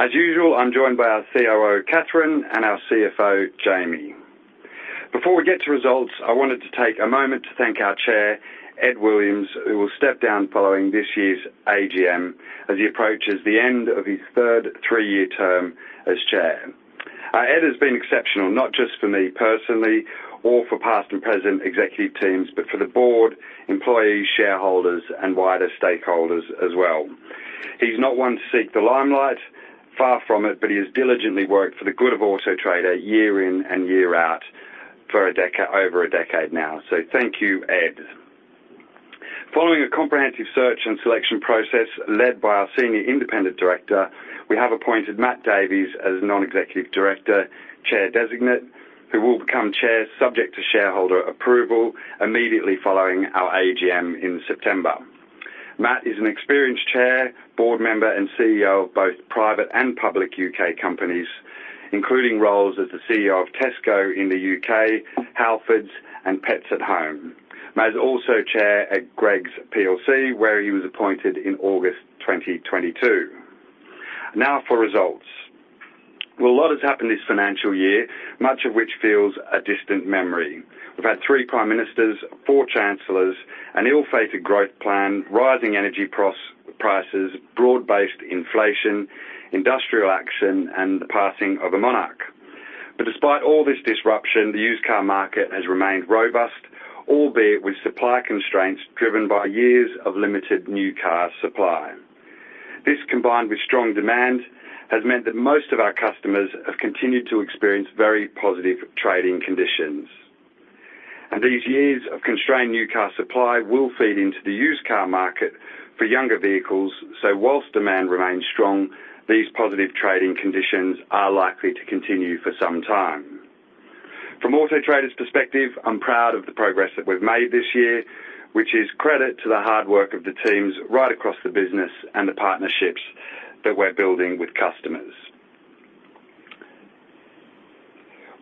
As usual, I'm joined by our COO, Catherine, and our CFO, Jamie. Before we get to results, I wanted to take a moment to thank our Chair, Ed Williams, who will step down following this year's AGM as he approaches the end of his third three-year term as Chair. Ed has been exceptional, not just for me personally or for past and present executive teams, but for the board, employees, shareholders, and wider stakeholders as well. He's not one to seek the limelight, far from it, but he has diligently worked for the good of Auto Trader year in and year out over a decade now. Thank you, Ed. Following a comprehensive search and selection process led by our senior independent director, we have appointed Matt Davies as non-executive director, chair designate, who will become chair, subject to shareholder approval, immediately following our AGM in September. Matt is an experienced chair, board member, and CEO of both private and public UK companies, including roles as the CEO of Tesco in the UK, Halfords and Pets at Home. Matt is also chair at Greggs PLC, where he was appointed in August 2022. Now for results. Well, a lot has happened this financial year, much of which feels a distant memory. We've had three prime ministers, four chancellors, an ill-fated growth plan, rising energy prices, broad-based inflation, industrial action, and the passing of a monarch. Despite all this disruption, the used car market has remained robust, albeit with supply constraints driven by years of limited new car supply. This, combined with strong demand, has meant that most of our customers have continued to experience very positive trading conditions. These years of constrained new car supply will feed into the used car market for younger vehicles. Whilst demand remains strong, these positive trading conditions are likely to continue for some time. From Auto Trader's perspective, I'm proud of the progress that we've made this year, which is credit to the hard work of the teams right across the business and the partnerships that we're building with customers.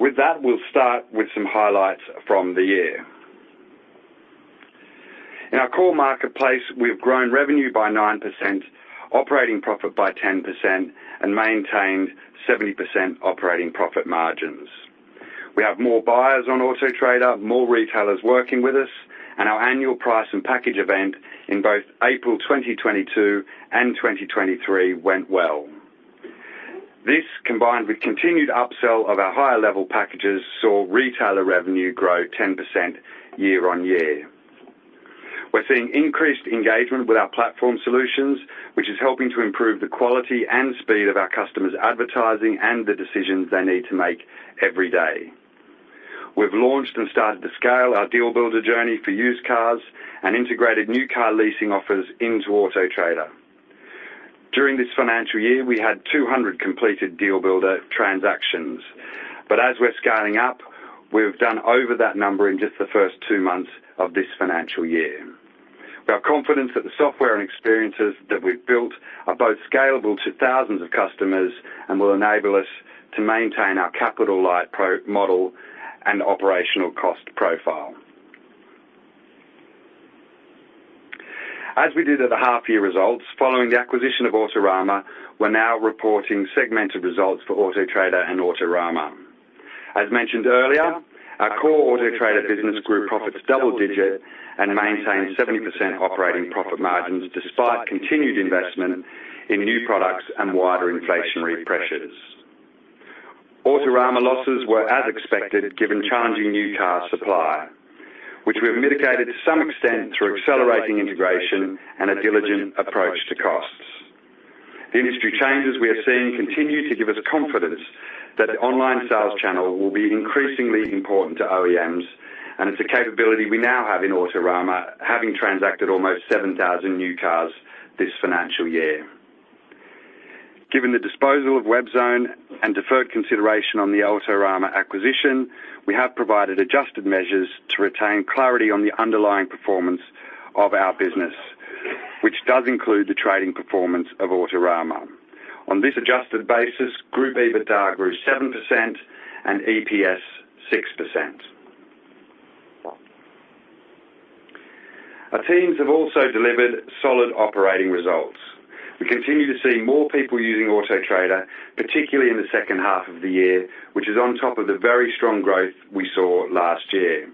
With that, we'll start with some highlights from the year. In our core marketplace, we've grown revenue by 9%, operating profit by 10%, and maintained 70% operating profit margins. We have more buyers on Auto Trader, more retailers working with us, and our annual price and package event in both April 2022 and 2023 went well. This, combined with continued upsell of our higher-level packages, saw retailer revenue grow 10% year-over-year. We're seeing increased engagement with our platform solutions, which is helping to improve the quality and speed of our customers' advertising and the decisions they need to make every day. We've launched and started to scale our Deal Builder journey for used cars and integrated new car leasing offers into Auto Trader. During this financial year, we had 200 completed Deal Builder transactions. As we're scaling up, we've done over that number in just the first two months of this financial year. We are confident that the software and experiences that we've built are both scalable to thousands of customers and will enable us to maintain our capital light profit model and operational cost profile. As we did at the half year results, following the acquisition of Autorama, we're now reporting segmented results for Auto Trader and Autorama. As mentioned earlier, our core Auto Trader business grew profits double digit and maintained 70% operating profit margins, despite continued investment in new products and wider inflationary pressures. Autorama losses were as expected, given challenging new car supply, which we have mitigated to some extent through accelerating integration and a diligent approach to costs. The industry changes we are seeing continue to give us confidence that the online sales channel will be increasingly important to OEMs, and it's a capability we now have in Autorama, having transacted almost 7,000 new cars this financial year. Given the disposal of WebZone and deferred consideration on the Autorama acquisition, we have provided adjusted measures to retain clarity on the underlying performance of our business, which does include the trading performance of Autorama. On this adjusted basis, group EBITDA grew 7% and EPS 6%. Our teams have also delivered solid operating results. We continue to see more people using Auto Trader, particularly in the second half of the year, which is on top of the very strong growth we saw last year.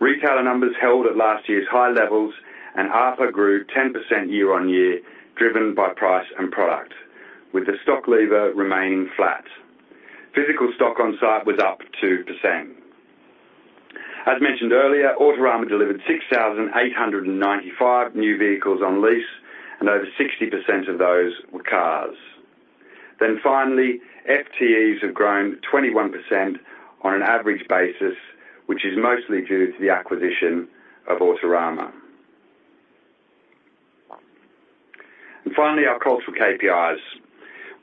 Retailer numbers held at last year's high levels. ARPA grew 10% year-over-year, driven by price and product, with the stock lever remaining flat. Physical stock on site was up 2%. As mentioned earlier, Autorama delivered 6,895 new vehicles on lease. Over 60% of those were cars. Finally, FTEs have grown 21% on an average basis, which is mostly due to the acquisition of Autorama. Finally, our cultural KPIs.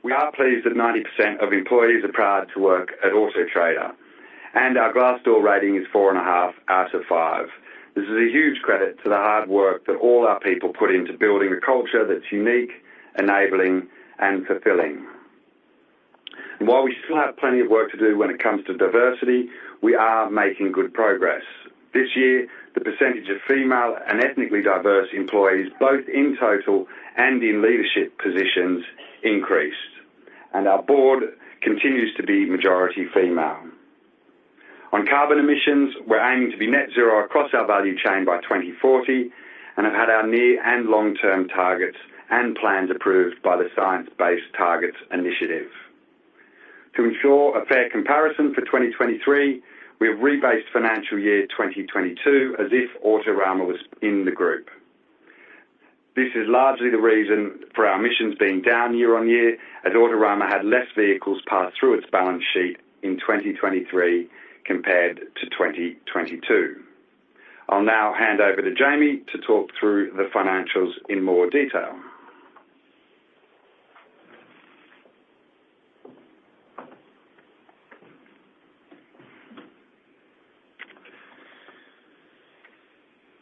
We are pleased that 90% of employees are proud to work at Auto Trader, and our Glassdoor rating is four and a half out of five. This is a huge credit to the hard work that all our people put into building a culture that's unique, enabling, and fulfilling. While we still have plenty of work to do when it comes to diversity, we are making good progress. This year, the percentage of female and ethnically diverse employees, both in total and in leadership positions, increased, and our board continues to be majority female. On carbon emissions, we're aiming to be net zero across our value chain by 2040, have had our near and long-term targets and plans approved by the Science Based Targets initiative. To ensure a fair comparison for 2023, we have rebased financial year 2022 as if Autorama was in the group. This is largely the reason for our emissions being down year-on-year, as Autorama had less vehicles pass through its balance sheet in 2023 compared to 2022. I'll now hand over to Jamie to talk through the financials in more detail.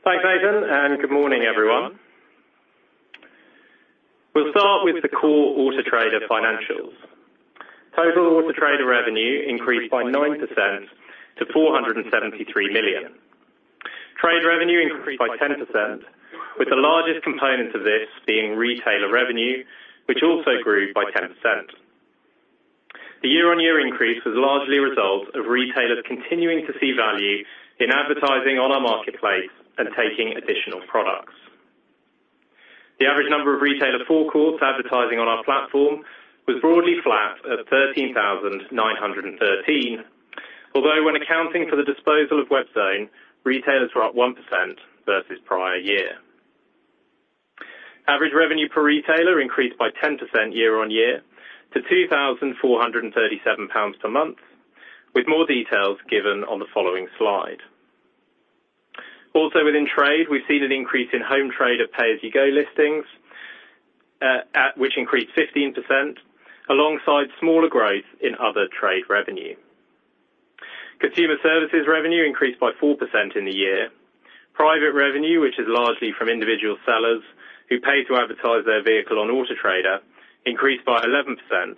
Thanks, Nathan, and good morning, everyone. We'll start with the core Auto Trader financials. Total Auto Trader revenue increased by 9% to GBP £473 million. Trade revenue increased by 10%, with the largest component of this being retailer revenue, which also grew by 10%. The year on year increase was largely a result of retailers continuing to see value in advertising on our marketplace and taking additional products. The average number of retailer forecourts advertising on our platform was broadly flat at 13,913, although when accounting for the disposal of WebZone, retailers were up 1% versus prior year. Average revenue per retailer increased by 10% year on year to GBP £2,437 per month, with more details given on the following slide. Within trade, we've seen an increase in Auto Trader pay-as-you-go listings, which increased 15%, alongside smaller growth in other trade revenue. Consumer services revenue increased by 4% in the year. Private revenue, which is largely from individual sellers who pay to advertise their vehicle on Auto Trader, increased by 11%,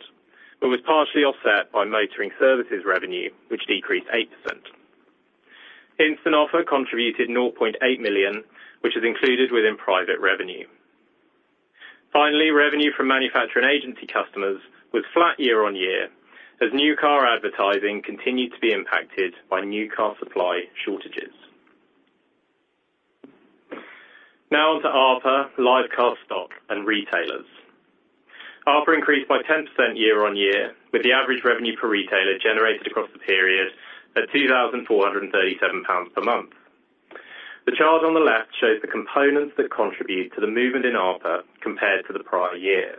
but was partially offset by motoring services revenue, which decreased 8%. Instant Offer contributed GBP £0.8 million, which is included within private revenue. Revenue from manufacturer and agency customers was flat year-on-year, as new car advertising continued to be impacted by new car supply shortages. On to ARPA, live car stock, and retailers. ARPA increased by 10% year-on-year, with the average revenue per retailer generated across the period at GBP £2,437 per month. The chart on the left shows the components that contribute to the movement in ARPA compared to the prior year.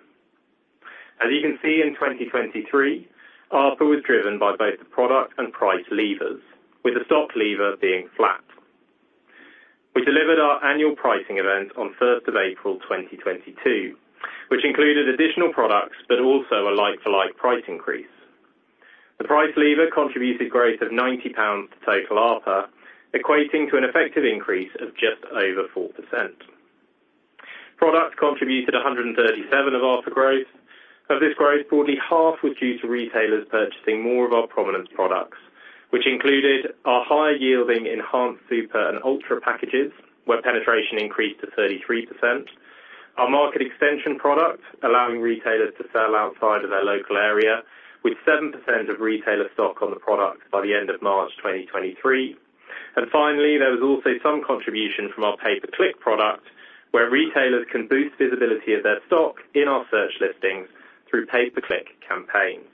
As you can see, in 2023, ARPA was driven by both the product and price levers, with the stock lever being flat. We delivered our annual pricing event on 1st of April, 2022, which included additional products, also a like-for-like price increase. The price lever contributed growth of GBP £90 to total ARPA, equating to an effective increase of just over 4%. Product contributed GBP £137 of ARPA growth. Of this growth, broadly half was due to retailers purchasing more of our prominence products, which included our high-yielding Enhanced, Super and Ultra packages, where penetration increased to 33%. Our Market Extension product, allowing retailers to sell outside of their local area, with 7% of retailer stock on the product by the end of March 2023. Finally, there was also some contribution from our pay-per-click product, where retailers can boost visibility of their stock in our search listings through pay-per-click campaigns.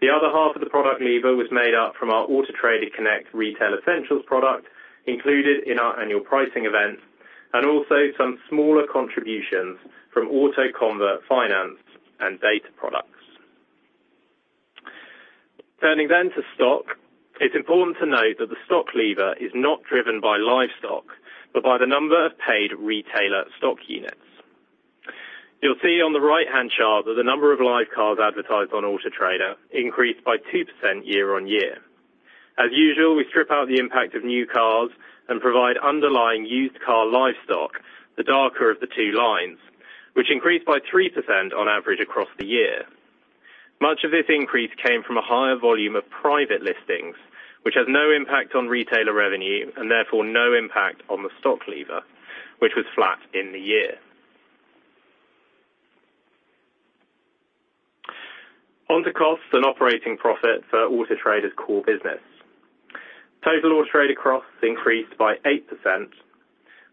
The other half of the product lever was made up from our Auto Trader Connect Retail Essentials product, included in our annual pricing event, and also some smaller contributions from AutoConvert Finance and Data products. Turning to stock, it's important to note that the stock lever is not driven by live stock, but by the number of paid retailer stock units. You'll see on the right-hand chart that the number of live cars advertised on Auto Trader increased by 2% year-on-year. As usual, we strip out the impact of new cars and provide underlying used car live stock, the darker of the two lines, which increased by 3% on average across the year. Much of this increase came from a higher volume of private listings, which has no impact on retailer revenue and therefore no impact on the stock lever, which was flat in the year. On to costs and operating profit for Auto Trader's core business. Total Auto Trader costs increased by 8%.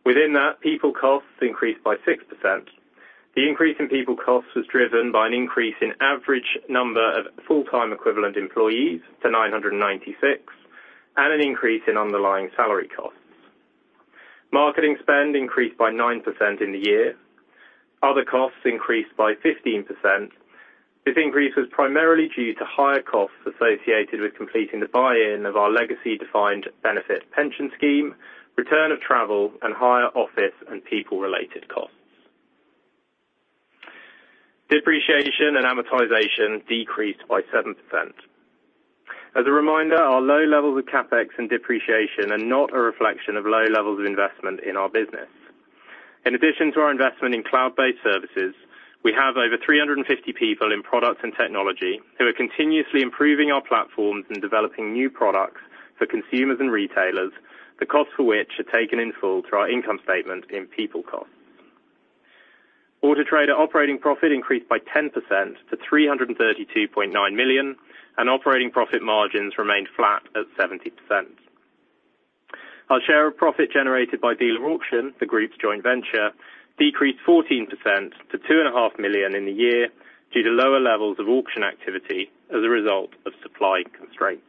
Within that, people costs increased by 6%. The increase in people costs was driven by an increase in average number of full-time equivalent employees to 996, and an increase in underlying salary costs. Marketing spend increased by 9% in the year. Other costs increased by 15%. This increase was primarily due to higher costs associated with completing the buy-in of our legacy defined benefit pension scheme, return of travel, and higher office and people-related costs. Depreciation and amortization decreased by 7%. As a reminder, our low levels of CapEx and depreciation are not a reflection of low levels of investment in our business. In addition to our investment in cloud-based services, we have over 350 people in product and technology, who are continuously improving our platforms and developing new products for consumers and retailers, the costs for which are taken in full through our income statement in people costs. Auto Trader operating profit increased by 10% to GBP £332.9 million, and operating profit margins remained flat at 70%. Our share of profit generated by Dealer Auction, the group's joint venture, decreased 14% to GBP £2.5 million in the year, due to lower levels of auction activity as a result of supply constraints.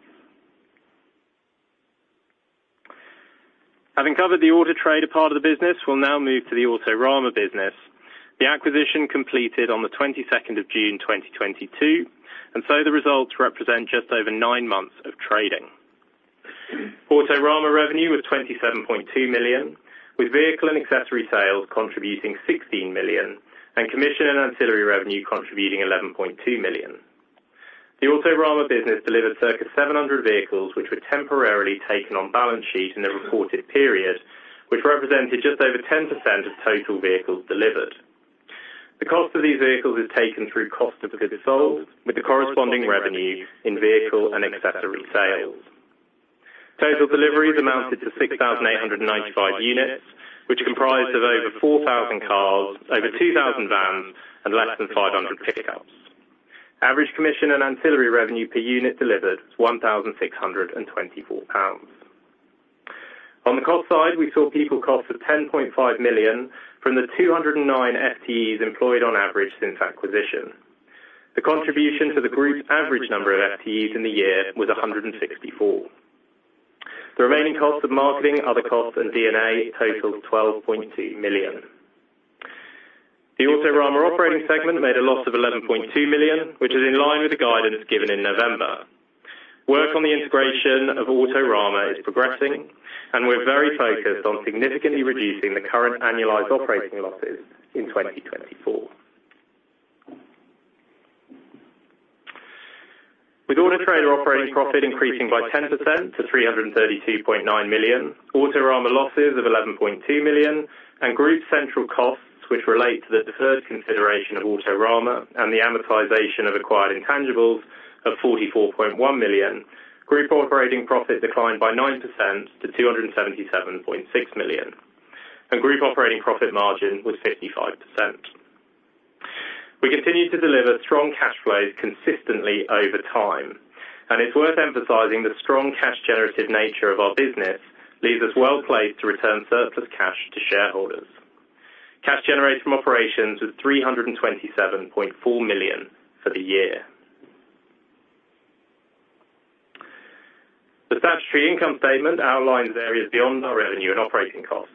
Having covered the Auto Trader part of the business, we'll now move to the Autorama business. The acquisition completed on the 22nd of June, 2022, the results represent just over 9 months of trading. Autorama revenue was GBP ££27.2 million, with vehicle and accessory sales contributing 16 million, and commission and ancillary revenue contributing GBP £11.2 million. The Autorama business delivered circa 700 vehicles, which were temporarily taken on balance sheet in the reported period, which represented just over 10% of total vehicles delivered. The cost of these vehicles is taken through cost of goods sold, with the corresponding revenue in vehicle and accessory sales. Total deliveries amounted to 6,895 units, which comprised of over 4,000 cars, over 2,000 vans, and less than 500 pickups. Average commission and ancillary revenue per unit delivered was GBP £1,624. On the cost side, we saw people costs of GBP £10.5 million from the 209 FTEs employed on average since acquisition. The contribution to the group's average number of FTEs in the year was 164. The remaining costs of marketing, other costs, and D&A totaled GBP £12.2 million. The Autorama operating segment made a loss of GBP £11.2 million, which is in line with the guidance given in November. Work on the integration of Autorama is progressing, we're very focused on significantly reducing the current annualized operating losses in 2024. With Auto Trader operating profit increasing by 10% to GBP £332.9 million, Autorama losses of GBP £11.2 million, group central costs, which relate to the deferred consideration of Autorama and the amortization of acquired intangibles of GBP £44.1 million, group operating profit declined by 9% to GBP £277.6 million, group operating profit margin was 55%. We continued to deliver strong cash flows consistently over time. It's worth emphasizing the strong cash generative nature of our business leaves us well placed to return surplus cash to shareholders. Cash generated from operations was GBP £327.4 million for the year. The statutory income statement outlines areas beyond our revenue and operating costs.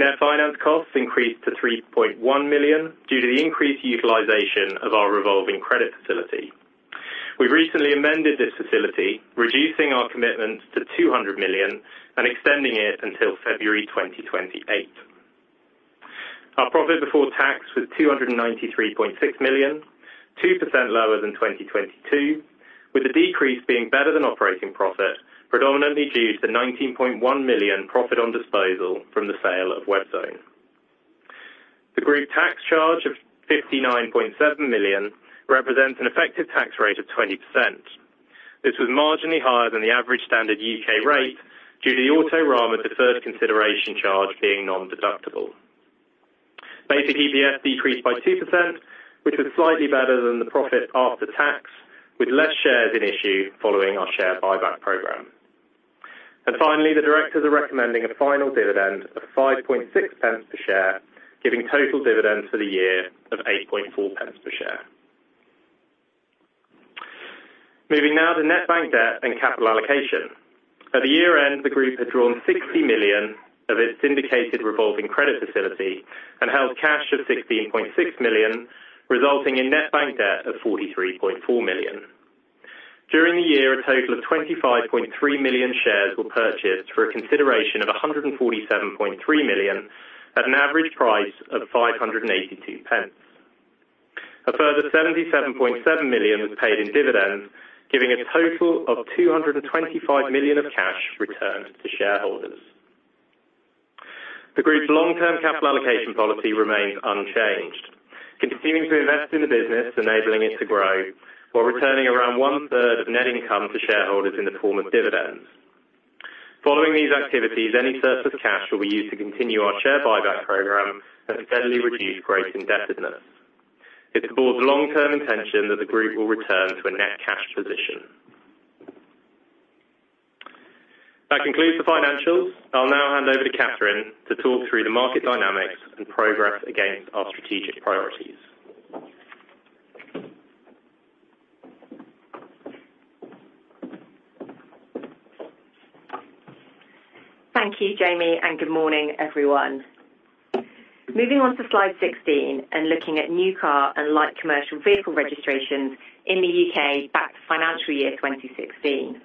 Net finance costs increased to GBP £3.1 million due to the increased utilization of our revolving credit facility. We've recently amended this facility, reducing our commitments to GBP £200 million and extending it until February 2028. Our profit before tax was GBP £293.6 million, 2% lower than 2022, with the decrease being better than operating profit, predominantly due to GBP £19.1 million profit on disposal from the sale of WebZone. The group tax charge of GBP £59.7 million represents an effective tax rate of 20%. This was marginally higher than the average standard U.K. rate due to the Autorama deferred consideration charge being nondeductible. Basic EPS decreased by 2%, which was slightly better than the profit after tax, with less shares in issue following our share buyback program. Finally, the directors are recommending a final dividend of 5.6 p per share, giving total dividends for the year of 8.4 p per share. Moving now to net bank debt and capital allocation. At the year-end, the group had drawn GBP £60 million of its indicated revolving credit facility and held cash of GBP £16.6 million, resulting in net bank debt of GBP £43.4 million. During the year, a total of 25.3 million shares were purchased for a consideration of GBP £147.3 million, at an average price of 582 p. A further GBP£ 77.7 million was paid in dividends, giving a total of GBP £225 million of cash returned to shareholders. The group's long-term capital allocation policy remains unchanged, continuing to invest in the business, enabling it to grow, while returning around one-third of net income to shareholders in the form of dividends. Following these activities, any surplus cash will be used to continue our share buyback program and steadily reduce gross indebtedness. It's Board's long-term intention that the group will return to a net cash position. That concludes the financials. I'll now hand over to Catherine to talk through the market dynamics and progress against our strategic priorities. Thank you, Jamie. Good morning, everyone. Moving on to slide 16, looking at new car and light commercial vehicle registrations in the U.K. back to financial year 2016.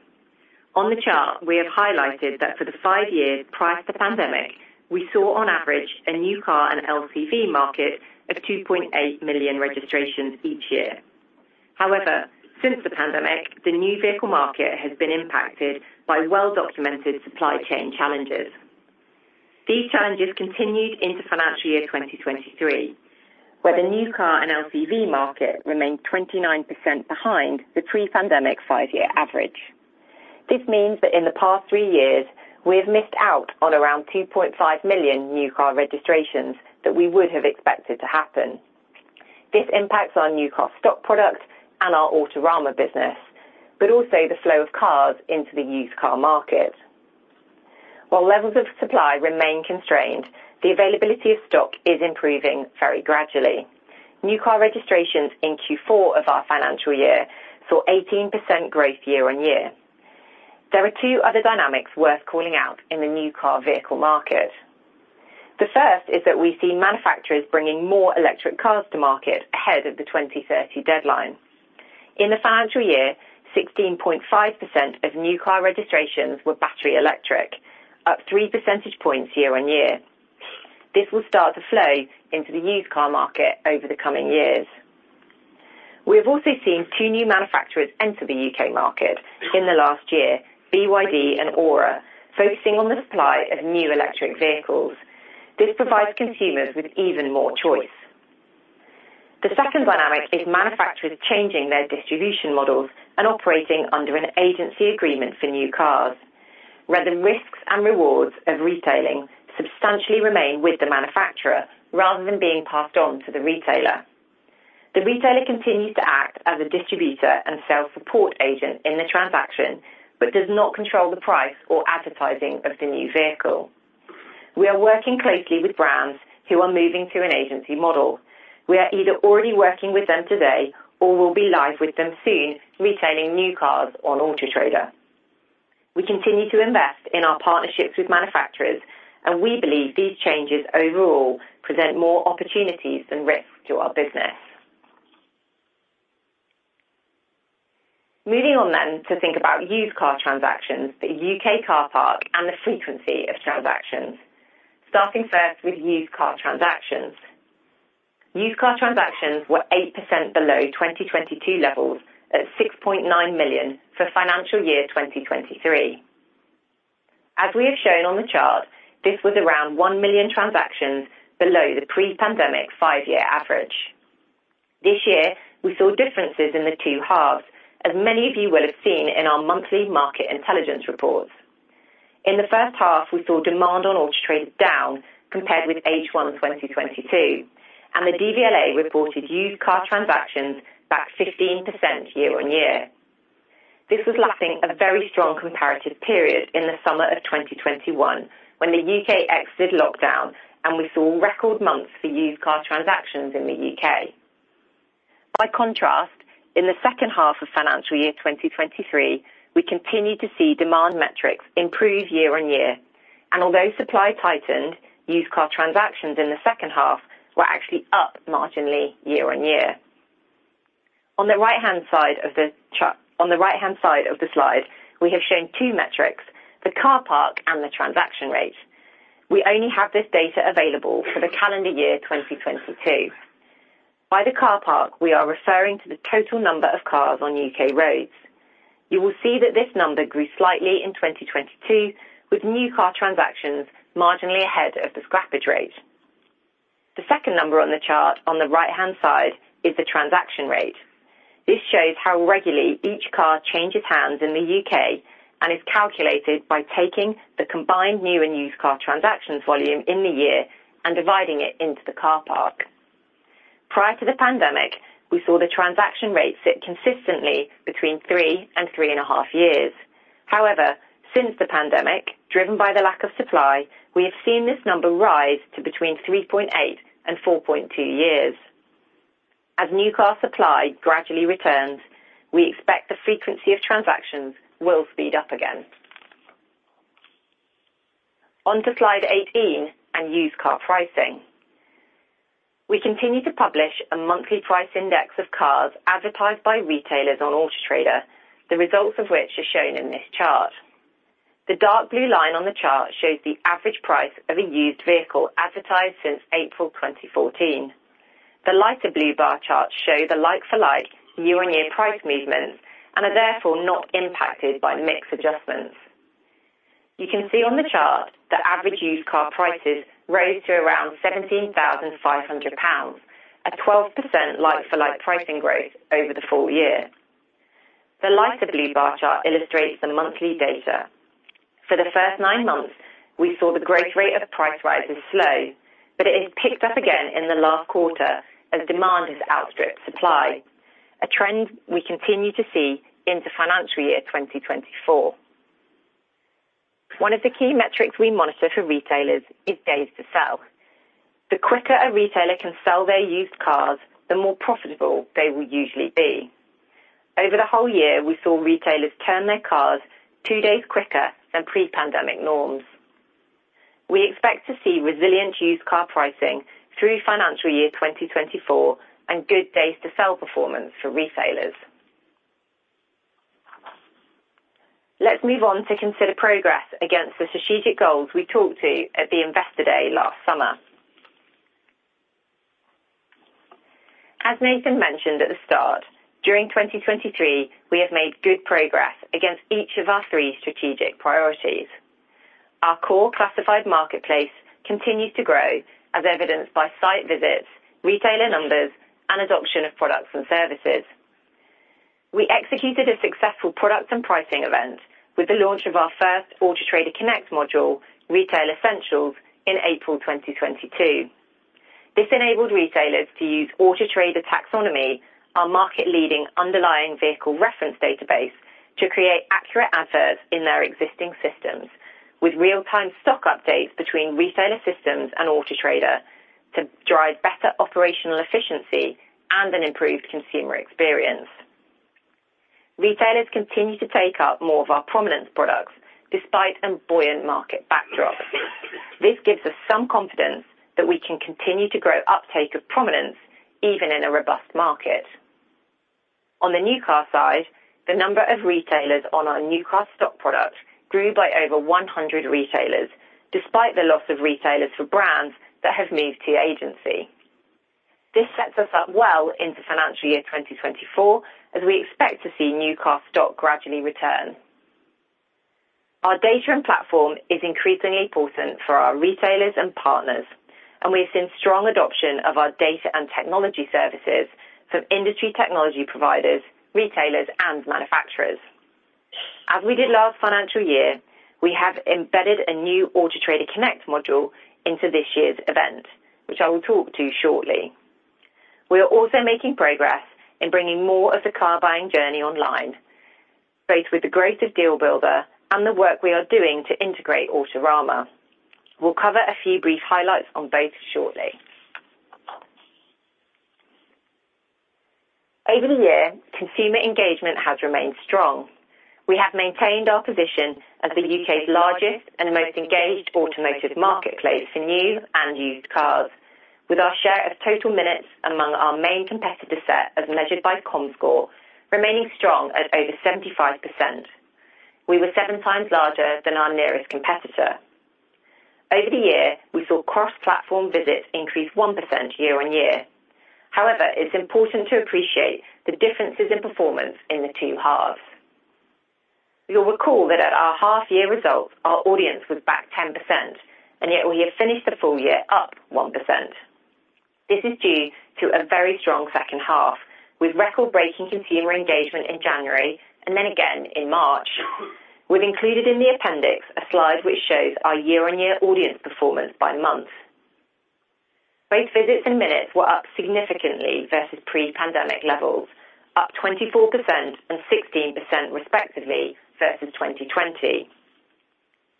On the chart, we have highlighted that for the five years prior to the pandemic, we saw on average, a new car and LCV market of 2.8 million registrations each year. Since the pandemic, the new vehicle market has been impacted by well-documented supply chain challenges. These challenges continued into financial year 2023, where the new car and LCV market remained 29% behind the pre-pandemic five-year average. This means that in the past three years, we have missed out on around 2.5 million new car registrations that we would have expected to happen. This impacts our new car stock product and our Autorama business, also the flow of cars into the used car market. While levels of supply remain constrained, the availability of stock is improving very gradually. New car registrations in Q4 of our financial year saw 18% growth year-on-year. There are two other dynamics worth calling out in the new car vehicle market. The first is that we've seen manufacturers bringing more electric cars to market ahead of the 2030 deadline. In the financial year, 16.5% of new car registrations were battery electric, up 3% points year-on-year. This will start to flow into the used car market over the coming years. We have also seen two new manufacturers enter the U.K. market in the last year, BYD and ORA, focusing on the supply of new electric vehicles. This provides consumers with even more choice. The second dynamic is manufacturers changing their distribution models and operating under an agency agreement for new cars, where the risks and rewards of retailing substantially remain with the manufacturer, rather than being passed on to the retailer. The retailer continues to act as a distributor and sales support agent in the transaction, but does not control the price or advertising of the new vehicle. We are working closely with brands who are moving to an agency model. We are either already working with them today or will be live with them soon, retailing new cars on Auto Trader. We continue to invest in our partnerships with manufacturers, and we believe these changes overall present more opportunities than risks to our business. Moving on to think about used car transactions, the U.K. car park and the frequency of transactions. Starting first with used car transactions. Used car transactions were 8% below 2022 levels, at £6.9 million for financial year 2023. As we have shown on the chart, this was around £1 million transactions below the pre-pandemic five-year average. This year, we saw differences in the two halves, as many of you will have seen in our monthly Market Intelligence reports. In the first half, we saw demand on Auto Trader down compared with H1 2022, and the DVLA reported used car transactions back 15% year-on-year. This was lacking a very strong comparative period in the summer of 2021, when the U.K. exited lockdown, and we saw record months for used car transactions in the U.K. By contrast, in the second half of financial year 2023, we continued to see demand metrics improve year-on-year, and although supply tightened, used car transactions in the second half were actually up marginally year-on-year. On the right-hand side of the slide, we have shown two metrics: the car park and the transaction rate. We only have this data available for the calendar year 2022. By the car park, we are referring to the total number of cars on U.K. roads. You will see that this number grew slightly in 2022, with new car transactions marginally ahead of the scrappage rate. The second number on the chart on the right-hand side is the transaction rate. This shows how regularly each car changes hands in the U.K. and is calculated by taking the combined new and used car transactions volume in the year and dividing it into the car park. Prior to the pandemic, we saw the transaction rate sit consistently between three and 3.5 years. However, since the pandemic, driven by the lack of supply, we have seen this number rise to between 3.8 and 4.2 years. As new car supply gradually returns, we expect the frequency of transactions will speed up again. On to slide 18 and used car pricing. We continue to publish a monthly price index of cars advertised by retailers on Auto Trader, the results of which are shown in this chart. The dark blue line on the chart shows the average price of a used vehicle advertised since April 2014. The lighter blue bar charts show the like-for-like year-on-year price movements and are therefore not impacted by mix adjustments. You can see on the chart that average used car prices rose to around GBP £17,500, a 12% like-for-like pricing growth over the full year. The lighter blue bar chart illustrates the monthly data. For the first 9 months, we saw the growth rate of price rises slow, but it has picked up again in the last quarter as demand has outstripped supply, a trend we continue to see into financial year 2024. One of the key metrics we monitor for retailers is days to sell. The quicker a retailer can sell their used cars, the more profitable they will usually be. Over the whole year, we saw retailers turn their cars two days quicker than pre-pandemic norms. We expect to see resilient used car pricing through financial year 2024, and good days to sell performance for retailers. Let's move on to consider progress against the strategic goals we talked to at the Investor Day last summer. As Nathan mentioned at the start, during 2023, we have made good progress against each of our three strategic priorities. Our core classified marketplace continues to grow, as evidenced by site visits, retailer numbers, and adoption of products and services. We executed a successful product and pricing event with the launch of our first Auto Trader Connect module, Retail Essentials, in April 2022. This enabled retailers to use Vehicle Taxonomy, our market-leading underlying vehicle reference database, to create accurate adverts in their existing systems, with real-time stock updates between retailer systems and Auto Trader, to drive better operational efficiency and an improved consumer experience. Retailers continue to take up more of our prominence products despite a buoyant market backdrop. This gives us some confidence that we can continue to grow uptake of prominence, even in a robust market. On the new car side, the number of retailers on our new car stock product grew by over 100 retailers, despite the loss of retailers for brands that have moved to agency. This sets us up well into financial year 2024, as we expect to see new car stock gradually return. Our data and platform is increasingly important for our retailers and partners. We've seen strong adoption of our data and technology services from industry technology providers, retailers, and manufacturers. As we did last financial year, we have embedded a new Auto Trader Connect module into this year's event, which I will talk to shortly. We are also making progress in bringing more of the car buying journey online, both with the growth of Deal Builder and the work we are doing to integrate Autorama. We'll cover a few brief highlights on both shortly. Over the year, consumer engagement has remained strong. We have maintained our position as the U.K.'s largest and most engaged automotive marketplace for new and used cars, with our share of total minutes among our main competitor set, as measured by Comscore, remaining strong at over 75%. We were 7 times larger than our nearest competitor. Over the year, we saw cross-platform visits increase 1% year-on-year. It's important to appreciate the differences in performance in the two halves. You'll recall that at our half-year results, our audience was back 10%, and yet we have finished the full year up 1%. This is due to a very strong second half, with record-breaking consumer engagement in January and then again in March. We've included in the appendix a slide which shows our year-on-year audience performance by month. Both visits and minutes were up significantly versus pre-pandemic levels, up 24% and 16%, respectively, versus 2020.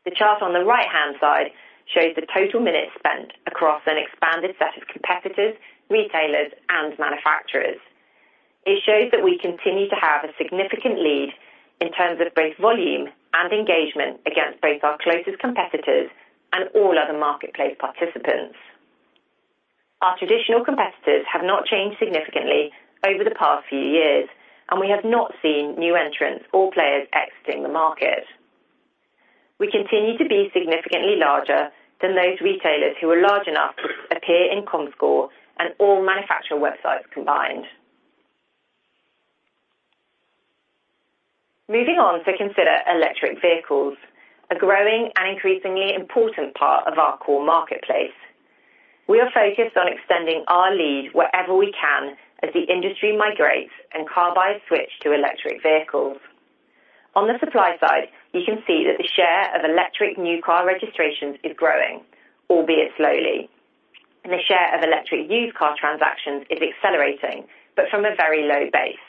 The chart on the right-hand side shows the total minutes spent across an expanded set of competitors, retailers, and manufacturers. It shows that we continue to have a significant lead in terms of both volume and engagement against both our closest competitors and all other marketplace participants. Our traditional competitors have not changed significantly over the past few years, and we have not seen new entrants or players exiting the market. We continue to be significantly larger than those retailers who are large enough to appear in Comscore and all manufacturer websites combined. Moving on to consider electric vehicles, a growing and increasingly important part of our core marketplace. We are focused on extending our lead wherever we can as the industry migrates and car buyers switch to electric vehicles. On the supply side, you can see that the share of electric new car registrations is growing, albeit slowly, and the share of electric used car transactions is accelerating, but from a very low base.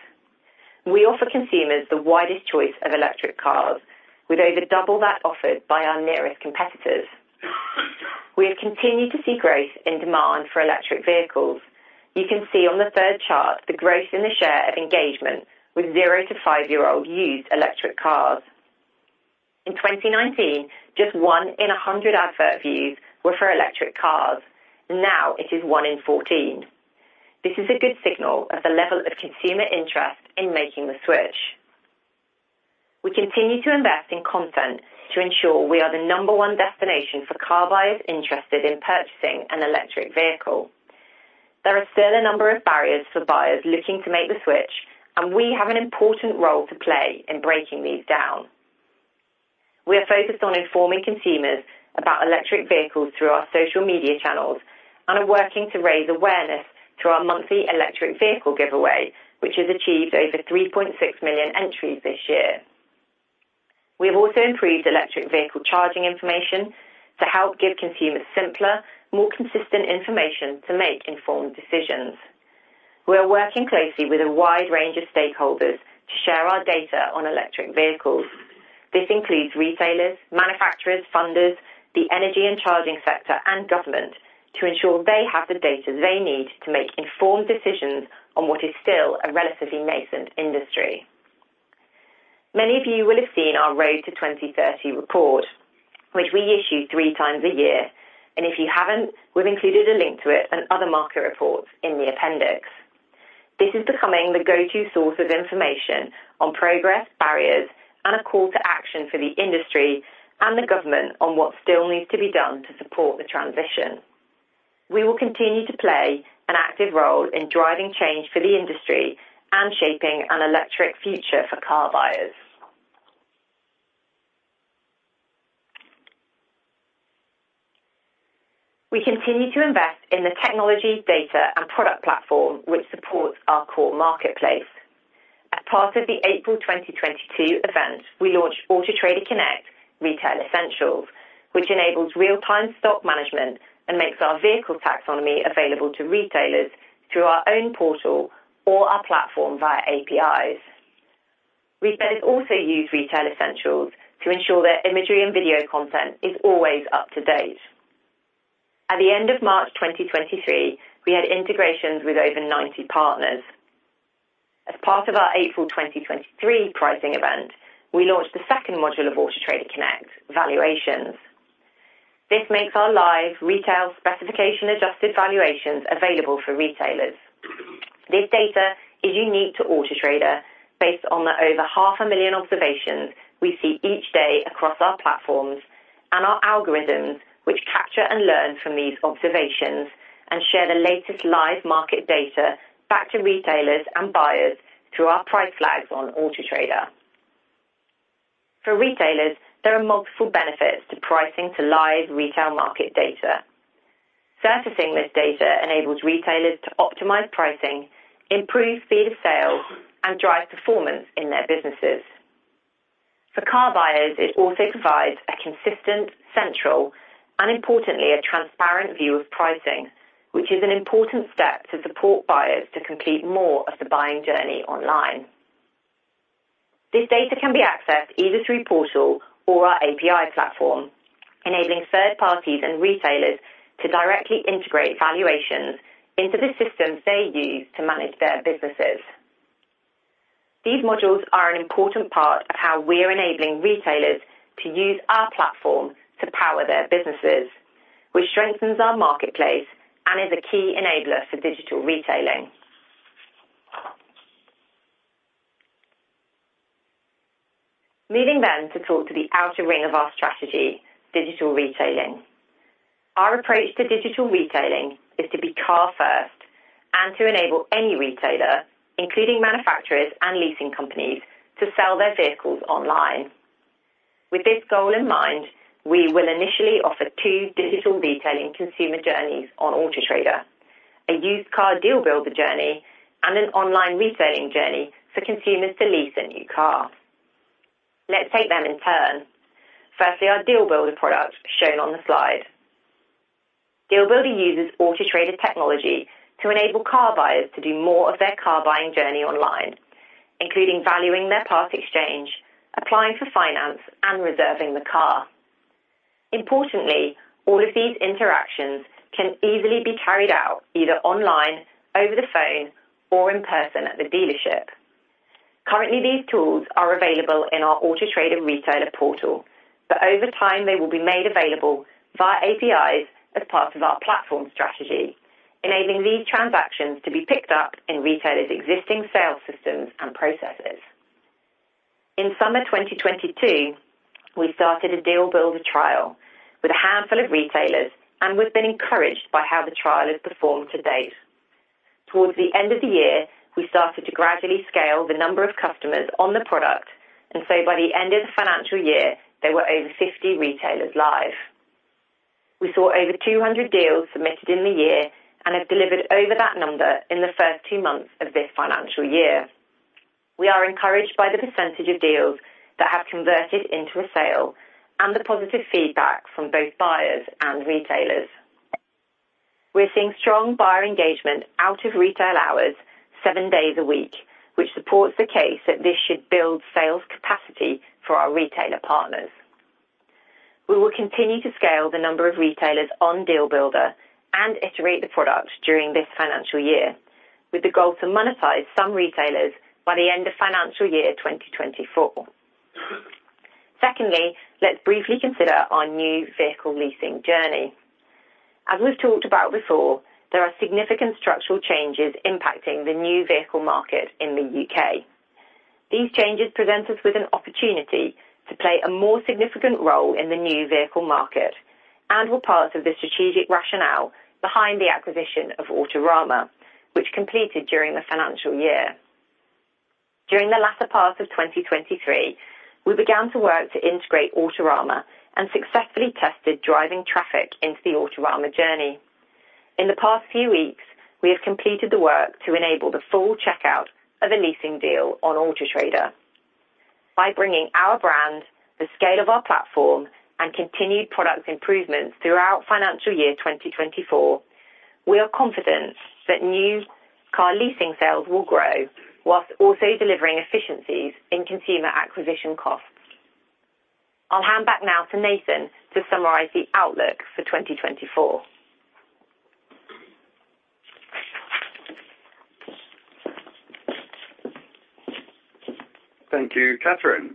We offer consumers the widest choice of electric cars, with over double that offered by our nearest competitors. We have continued to see growth in demand for electric vehicles. You can see on the third chart the growth in the share of engagement with zero to five-year-old used electric cars. In 2019, just one in 100 advert views were for electric cars. Now it is one in 14. This is a good signal of the level of consumer interest in making the switch. We continue to invest in content to ensure we are the number one destination for car buyers interested in purchasing an electric vehicle. There are still a number of barriers for buyers looking to make the switch, and we have an important role to play in breaking these down. We are focused on informing consumers about electric vehicles through our social media channels and are working to raise awareness through our monthly electric vehicle giveaway, which has achieved over 3.6 million entries this year. We have also improved electric vehicle charging information to help give consumers simpler, more consistent information to make informed decisions. We are working closely with a wide range of stakeholders to share our data on electric vehicles. This includes retailers, manufacturers, funders, the energy and charging sector, and government to ensure they have the data they need to make informed decisions on what is still a relatively nascent industry. Many of you will have seen our Road to 2030 report, which we issue three times a year. If you haven't, we've included a link to it and other market reports in the appendix. This is becoming the go-to source of information on progress, barriers, and a call to action for the industry and the government on what still needs to be done to support the transition. We will continue to play an active role in driving change for the industry and shaping an electric future for car buyers. We continue to invest in the technology, data, and product platform, which supports our core marketplace. As part of the April 2022 event, we launched Auto Trader Connect Retail Essentials, which enables real-time stock management and makes our Vehicle Taxonomy available to retailers through our own portal or our platform via APIs. Retailers also use Retail Essentials to ensure their imagery and video content is always up to date. At the end of March 2023, we had integrations with over 90 partners. As part of our April 2023 pricing event, we launched the second module of Auto Trader Connect Valuations. This makes our live retail specification adjusted valuations available for retailers. This data is unique to Auto Trader, based on the over half a million observations we see each day across our platforms and our algorithms, which capture and learn from these observations and share the latest live market data back to retailers and buyers through our Price Flags on Auto Trader. For retailers, there are multiple benefits to pricing to live retail market data. Surfacing this data enables retailers to optimize pricing, improve speed of sale, and drive performance in their businesses. For car buyers, it also provides a consistent, central, and importantly, a transparent view of pricing, which is an important step to support buyers to complete more of the buying journey online. This data can be accessed either through portal or our API platform, enabling third parties and retailers to directly integrate valuations into the systems they use to manage their businesses. These modules are an important part of how we are enabling retailers to use our platform to power their businesses, which strengthens our marketplace and is a key enabler for digital retailing. Moving to talk to the outer ring of our strategy, digital retailing. Our approach to digital retailing is to be car-first and to enable any retailer, including manufacturers and leasing companies, to sell their vehicles online. With this goal in mind, we will initially offer two digital retailing consumer journeys on Auto Trader, a used car Deal Builder journey, and an online retailing journey for consumers to lease a new car. Let's take them in turn. Firstly, our Deal Builder product, shown on the slide. Deal Builder uses Auto Trader technology to enable car buyers to do more of their car buying journey online, including valuing their part exchange, applying for finance, and reserving the car. Importantly, all of these interactions can easily be carried out either online, over the phone, or in person at the dealership. Currently, these tools are available in our Auto Trader retailer portal, but over time, they will be made available via APIs as part of our platform strategy, enabling these transactions to be picked up in retailers' existing sales systems and processes. In summer 2022, we started a Deal Builder trial with a handful of retailers, and we've been encouraged by how the trial has performed to date. Towards the end of the year, we started to gradually scale the number of customers on the product, and so by the end of the financial year, there were over 50 retailers live. We saw over 200 deals submitted in the year and have delivered over that number in the first two months of this financial year. We are encouraged by the percentage of deals that have converted into a sale and the positive feedback from both buyers and retailers. We're seeing strong buyer engagement out of retail hours, seven days a week, which supports the case that this should build sales capacity for our retailer partners. We will continue to scale the number of retailers on Deal Builder and iterate the product during this financial year, with the goal to monetize some retailers by the end of financial year 2024. Secondly, let's briefly consider our new vehicle leasing journey. As we've talked about before, there are significant structural changes impacting the new vehicle market in the UK. These changes present us with an opportunity to play a more significant role in the new vehicle market and were part of the strategic rationale behind the acquisition of Autorama, which completed during the financial year. During the latter part of 2023, we began to work to integrate Autorama and successfully tested driving traffic into the Autorama journey. In the past few weeks, we have completed the work to enable the full checkout of a leasing deal on Auto Trader. By bringing our brand, the scale of our platform, and continued product improvements throughout financial year 2024, we are confident that new car leasing sales will grow whilst also delivering efficiencies in consumer acquisition costs. I'll hand back now to Nathan to summarize the outlook for 2024. Thank you, Catherine.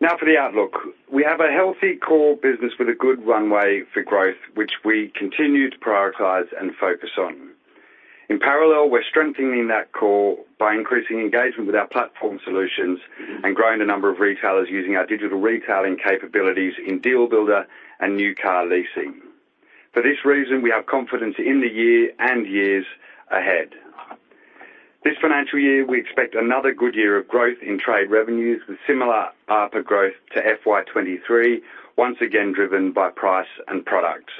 Now for the outlook. We have a healthy core business with a good runway for growth, which we continue to prioritize and focus on. In parallel, we're strengthening that core by increasing engagement with our platform solutions and growing the number of retailers using our digital retailing capabilities in Deal Builder and New Car Leasing. For this reason, we have confidence in the year and years ahead. This financial year, we expect another good year of growth in trade revenues, with similar ARPA growth to FY 23, once again driven by price and product.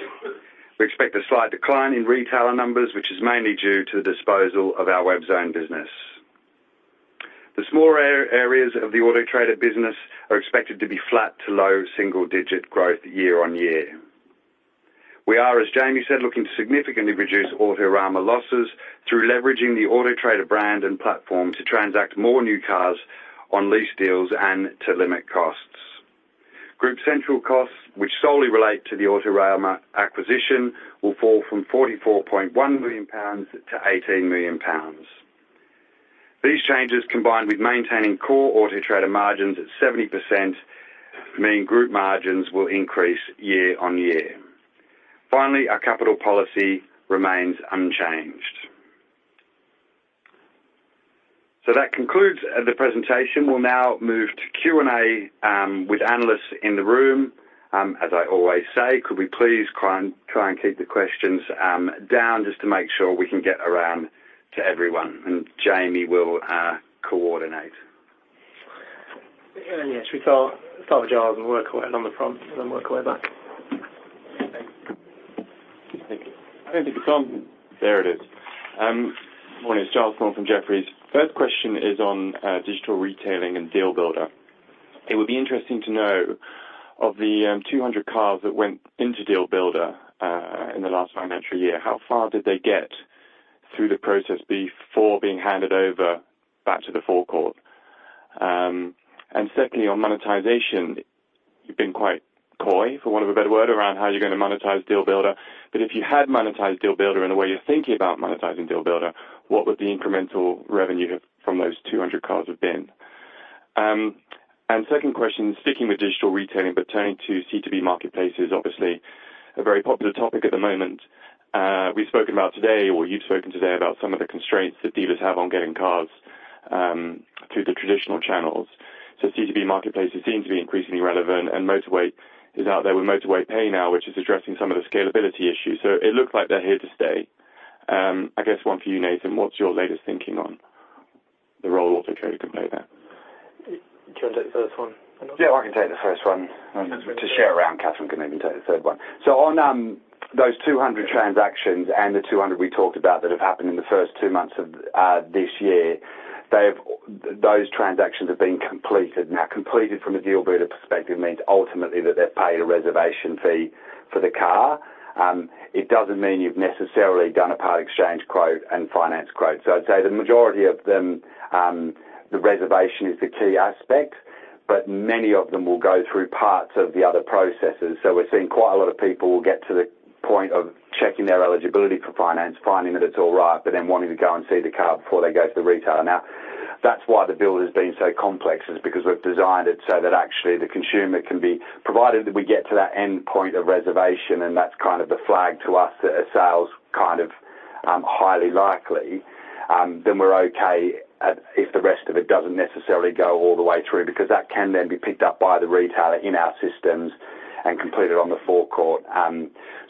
We expect a slight decline in retailer numbers, which is mainly due to the disposal of our WebZone business. The smaller areas of the Auto Trader business are expected to be flat to low single-digit growth year on year. We are, as Jamie said, looking to significantly reduce Autorama losses through leveraging the Auto Trader brand and platform to transact more new cars on lease deals and to limit costs. Group central costs, which solely relate to the Autorama acquisition, will fall from GBP £44.1 million to GBP £18 million. These changes, combined with maintaining core Auto Trader margins at 70%, mean group margins will increase year-on-year. Our capital policy remains unchanged. That concludes the presentation. We'll now move to Q&A with analysts in the room. As I always say, could we please try and keep the questions down, just to make sure we can get around to everyone, and Jamie will coordinate. Yeah, should we start with Giles and work our way on the front, and then work our way back? Thank you. It's on... There it is. Morning, it's Giles Thorne from Jefferies. First question is on digital retailing and Deal Builder. It would be interesting to know, of the 200 cars that went into Deal Builder in the last financial year, how far did they get through the process before being handed over back to the forecourt? Secondly, on monetization, you've been quite coy, for want of a better word, around how you're going to monetize Deal Builder. If you had monetized Deal Builder in the way you're thinking about monetizing Deal Builder, what would the incremental revenue have, from those 200 cars have been? Second question, sticking with digital retailing, but turning to C2B marketplaces, obviously a very popular topic at the moment. We've spoken about today, or you've spoken today, about some of the constraints that dealers have on getting cars through the traditional channels. C2B marketplaces seem to be increasingly relevant, and Motorway is out there with Motorway Pay now, which is addressing some of the scalability issues. It looks like they're here to stay. I guess one for you, Nathan, what's your latest thinking on the role Auto Trader can play there? Do you want to take the first one? I can take the first one. To share around, Catherine can maybe take the third one. On those 200 transactions and the 200 we talked about that have happened in the first two months of this year. Those transactions have been completed. Now, completed from a Deal Builder perspective means ultimately that they've paid a reservation fee for the car. It doesn't mean you've necessarily done a part exchange quote and finance quote. I'd say the majority of them, the reservation is the key aspect, but many of them will go through parts of the other processes. We're seeing quite a lot of people get to the point of checking their eligibility for finance, finding that it's all right, but then wanting to go and see the car before they go to the retailer. That's why the Deal Builder's been so complex, is because we've designed it so that actually the consumer can be. Provided that we get to that endpoint of reservation, and that's kind of the flag to us that a sale's kind of highly likely, then we're okay at, if the rest of it doesn't necessarily go all the way through, because that can then be picked up by the retailer in our systems and completed on the forecourt.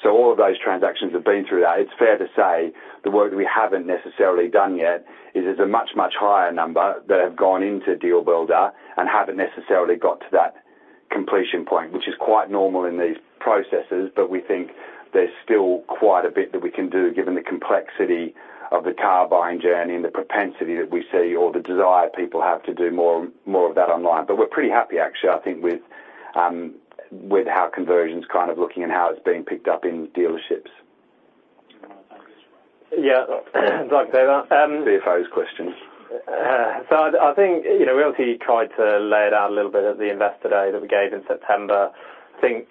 All of those transactions have been through that. It's fair to say the work we haven't necessarily done yet, is it's a much, much higher number that have gone into Deal Builder and haven't necessarily got to that completion point, which is quite normal in these processes, but we think there's still quite a bit that we can do given the complexity of the car buying journey and the propensity that we see or the desire people have to do more, more of that online. We're pretty happy, actually, with how conversion's kind of looking and how it's being picked up in dealerships. Yeah. Like I said, CFO's questions. We obviously tried to lay it out a little bit at the Investor Day that we gave in September. I don't think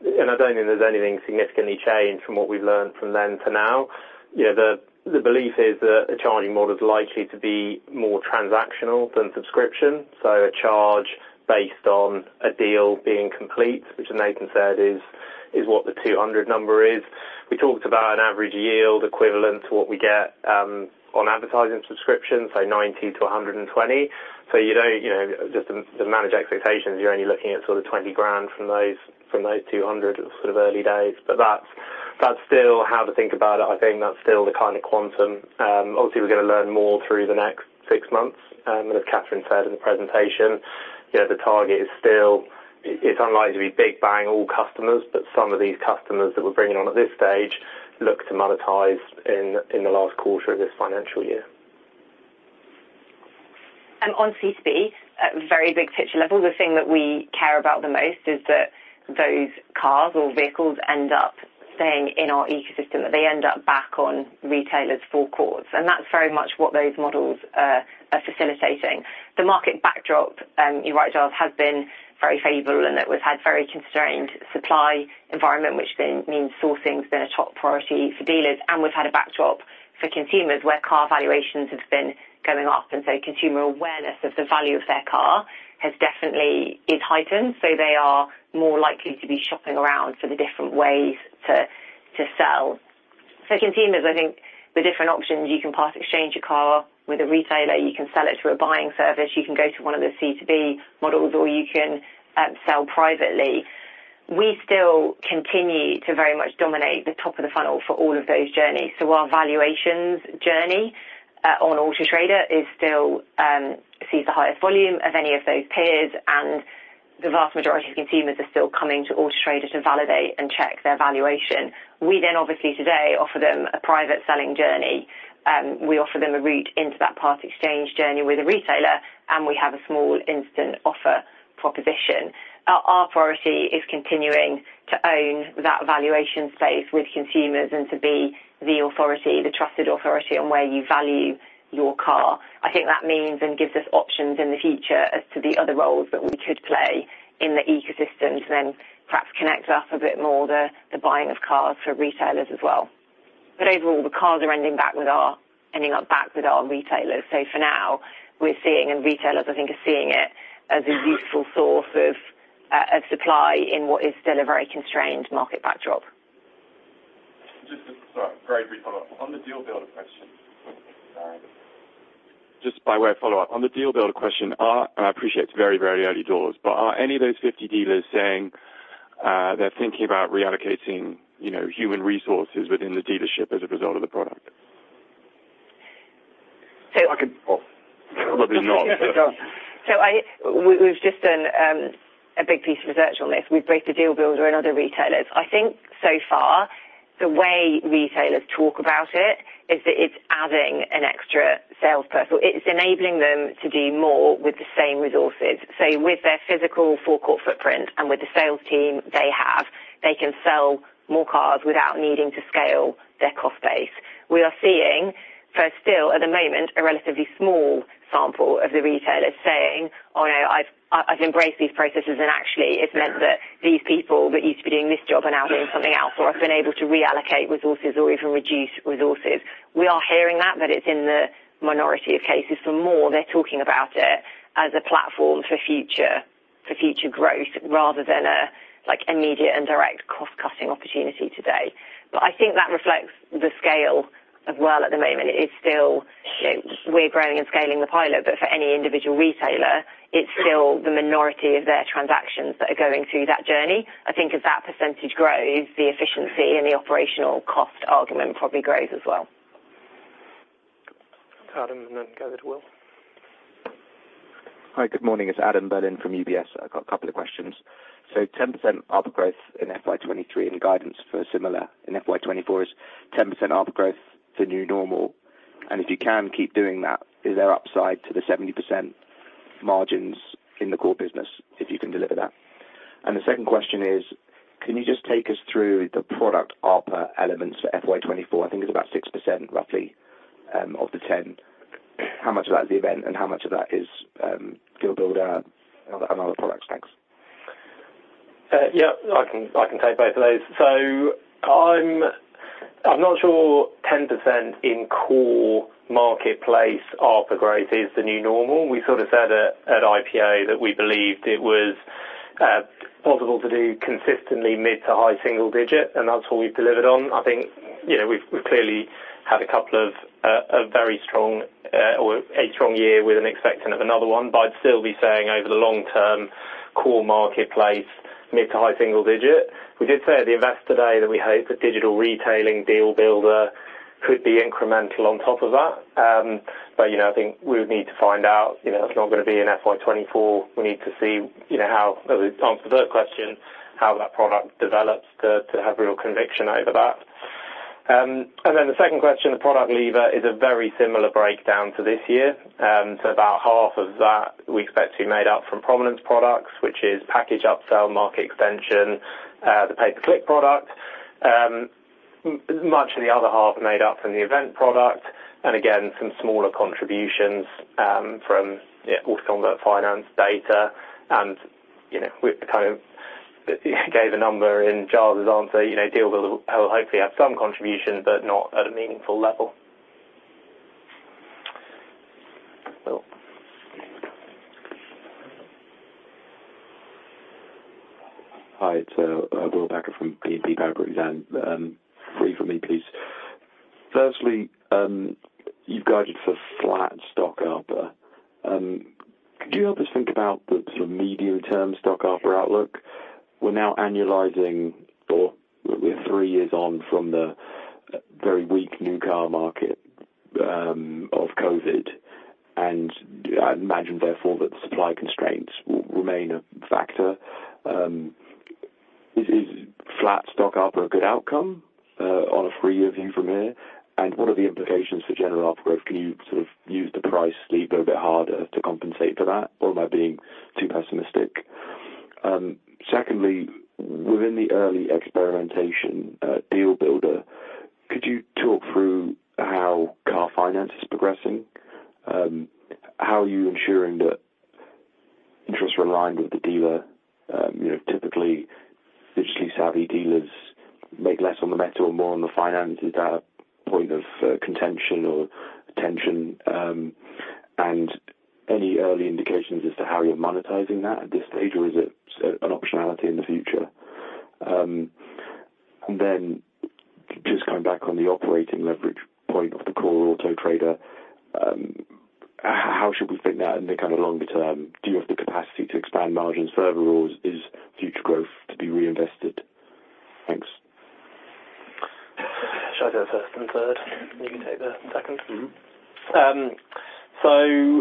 there's anything significantly changed from what we've learned from then to now. The belief is that the charging model is likely to be more transactional than subscription, so a charge based on a deal being complete, which Nathan said is what the 200 number is. We talked about an average yield equivalent to what we get on advertising subscriptions, say, GBP £90 to 120. You just don't manage expectations, you're only looking at sort of GBP £20,000 from those 200 sort of early days. That's still how to think about it. That's still the kind of quantum. Obviously, we're gonna learn more through the next six months. As Catherine said in the presentation, the target is still. It's unlikely to be big bang all customers, but some of these customers that we're bringing on at this stage look to monetize in the last quarter of this financial year. On C2B, at very big picture level, the thing that we care about the most is that those cars or vehicles end up staying in our ecosystem, that they end up back on retailers' forecourts, and that's very much what those models are facilitating. The market backdrop, you're right, Giles, has been very favorable and that we've had very constrained supply environment, which then means sourcing has been a top priority for dealers. We've had a backdrop for consumers where car valuations have been going up, so consumer awareness of the value of their car has definitely is heightened, so they are more likely to be shopping around for the different ways to sell. Consumers, I think the different options, you can part-exchange your car with a retailer, you can sell it to a buying service, you can go to one of the C2B models, or you can sell privately. We still continue to very much dominate the top of the funnel for all of those journeys. Our valuations journey on Auto Trader still sees the highest volume of any of those peers. The vast majority of consumers are still coming to Auto Trader to validate and check their valuation. We then, obviously, today, offer them a private selling journey. We offer them a route into that part-exchange journey with a retailer, and we have a small Instant Offer proposition. Our priority is continuing to own that valuation space with consumers and to be the authority, the trusted authority on where you value your car. I think that means and gives us options in the future as to the other roles that we could play in the ecosystem to then perhaps connect us a bit more the buying of cars for retailers as well. Overall, the cars are ending up back with our retailers. For now, we're seeing, and retailers, I think, are seeing it as a useful source of supply in what is still a very constrained market backdrop. Just a, sorry, very brief follow-up. On the Deal Builder question. Sorry. Just by way of follow-up, on the Deal Builder question, I appreciate it's very early doors, but are any of those 50 dealers saying, they're thinking about reallocating, human resources within the dealership as a result of the product? So- Oh, probably not. We've just done a big piece of research on this. We've broke the Deal Builder and other retailers. I think so far, the way retailers talk about it, is that it's adding an extra salesperson. It's enabling them to do more with the same resources. With their physical forecourt footprint and with the sales team they have, they can sell more cars without needing to scale their cost base. We are seeing for still, at the moment, a relatively small sample of the retailers saying, "Oh, no, I've embraced these processes, and actually it's meant that these people that used to be doing this job are now doing something else. I've been able to reallocate resources or even reduce resources." We are hearing that, it's in the minority of cases. For more, they're talking about it as a platform for future growth, rather than a, like, immediate and direct cost-cutting opportunity today. I think that reflects the scale as well at the moment. It is still, we're growing and scaling the pilot, but for any individual retailer, it's still the minority of their transactions that are going through that journey. I think as that percentage grows, the efficiency and the operational cost argument probably grows as well. Adam, go to Will. Hi, good morning. It's Adam Berlin from UBS. I've got a couple of questions. 10% ARPA growth in FY 2023 and guidance for similar in FY 2024 is 10% ARPA growth, the new normal? If you can keep doing that, is there upside to the 70% margins in the core business, if you can deliver that? The second question is, can you just take us through the product ARPA elements for FY 2024? I think it's about 6%, roughly, of the 10. How much of that is event, and how much of that is Deal Builder and other products? Thanks. Yeah, I can take both of those. I'm not sure 10% in core marketplace ARPA growth is the new normal. We sort of said at IPO that we believed it was possible to do consistently mid-to-high single-digit, and that's what we've delivered on. We've clearly had a couple of a very strong or a strong year with an expectant of another one, but I'd still be saying over the long term, core marketplace, mid-to-high single-digit. We did say at the Investor Day that we hope that digital retailing Deal Builder could be incremental on top of that. We would need to find out, it's not going to be in FY 2024. We need to see how, to answer the question, how that product develops, to have real conviction over that. The second question, the product lever is a very similar breakdown to this year. About half of that we expect to be made up from prominence products, which is package upsell, Market Extension, the pay-per-click product. Much of the other half made up from the event product, again, some smaller contributions from AutoConvert finance data. We gave a number in Giles' answer, Deal Builder will hopefully have some contribution, but not at a meaningful level. Will. Hi, it's Will Packer from BNP Paribas. Three from me, please. Firstly, you've guided for flat stock ARPA. Could you help us think about the sort of medium-term stock ARPA outlook? We're now annualizing, or we're three years on from the very weak new car market of COVID, and I imagine therefore, that supply constraints will remain a factor. Is flat stock ARPA a good outcome? On a view of you from here, what are the implications for general output growth? Can you sort of use the price leap a bit harder to compensate for that, or am I being too pessimistic? Secondly, within the early experimentation, Deal Builder, could you talk through how car finance is progressing? How are you ensuring that interests are aligned with the dealer? Typically, digitally savvy dealers make less on the metal and more on the finance. Is that a point of contention or tension? Early indications as to how you're monetizing that at this stage, or is it an optionality in the future? Just coming back on the operating leverage point of the core Auto Trader, how should we think that in the kind of longer term? Do you have the capacity to expand margins further, or is future growth to be reinvested? Thanks. Should I go first and third? You can take the second. Mm-hmm.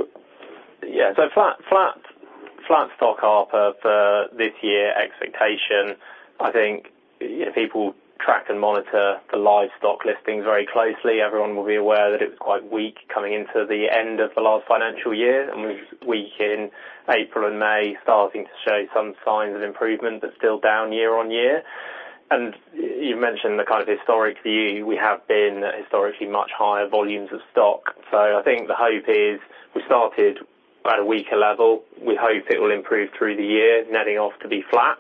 Yeah. Flat, flat stock ARPU for this year expectation. People track and monitor the live stock listings very closely. Everyone will be aware that it was quite weak coming into the end of the last financial year, and we've weak in April and May, starting to show some signs of improvement, but still down year-on-year. You mentioned the kind of historic view. We have been historically much higher volumes of stock. I think the hope is we started at a weaker level. We hope it will improve through the year, netting off to be flat.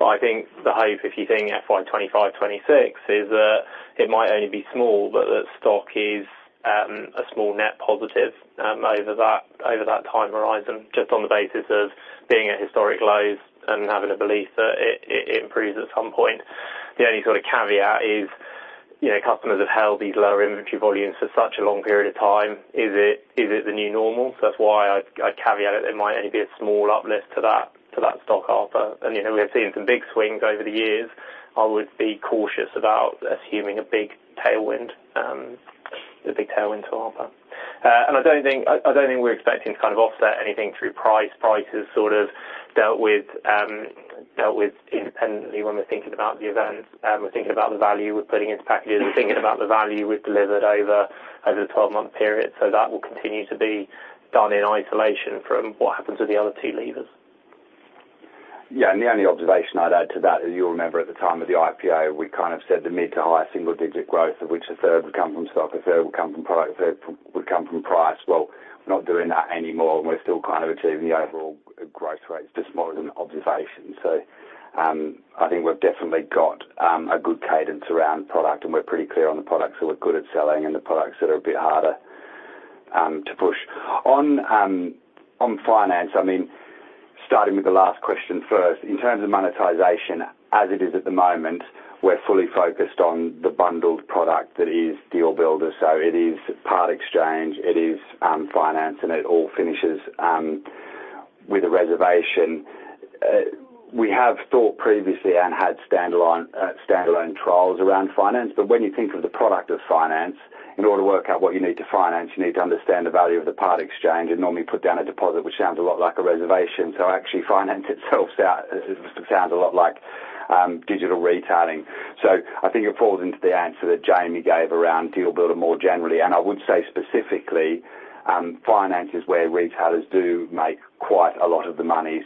I think the hope, if you think FY 2025, 2026, is that it might only be small, but that stock is a small net positive over that time horizon, just on the basis of being at historic lows and having a belief that it improves at some point. The only sort of caveat is customers have held these lower inventory volumes for such a long period of time. Is it the new normal? That's why I caveat it. There might only be a small uplift to that stock ARPU. We've seen some big swings over the years. I would be cautious about assuming a big tailwind to ARPU. I don't think we're expecting to kind of offset anything through price. Price is sort of dealt with, dealt with independently when we're thinking about the event, we're thinking about the value we're putting into packages. We're thinking about the value we've delivered over the 12-month period. That will continue to be done in isolation from what happens with the other two levers. I'd add to that is, you'll remember at the time of the IPO, we kind of said the mid to high single-digit growth, of which a third would come from stock, a third would come from product, a third would come from price. We're not doing that anymore, and we're still kind of achieving the overall growth rates, just more as an observation. I think we've definitely got a good cadence around product, and we're pretty clear on the products that we're good at selling and the products that are a bit harder to push. On finance, I mean, starting with the last question first, in terms of monetization, as it is at the moment, we're fully focused on the bundled product that is Deal Builder. It is part exchange, it is finance. It all finishes with a reservation. We have thought previously and had standalone trials around finance. When you think of the product of finance, in order to work out what you need to finance, you need to understand the value of the part exchange and normally put down a deposit, which sounds a lot like a reservation. Actually, finance itself sounds a lot like digital retailing. I think it falls into the answer that Jamie gave around Deal Builder more generally. I would say specifically, finance is where retailers do make quite a lot of the money.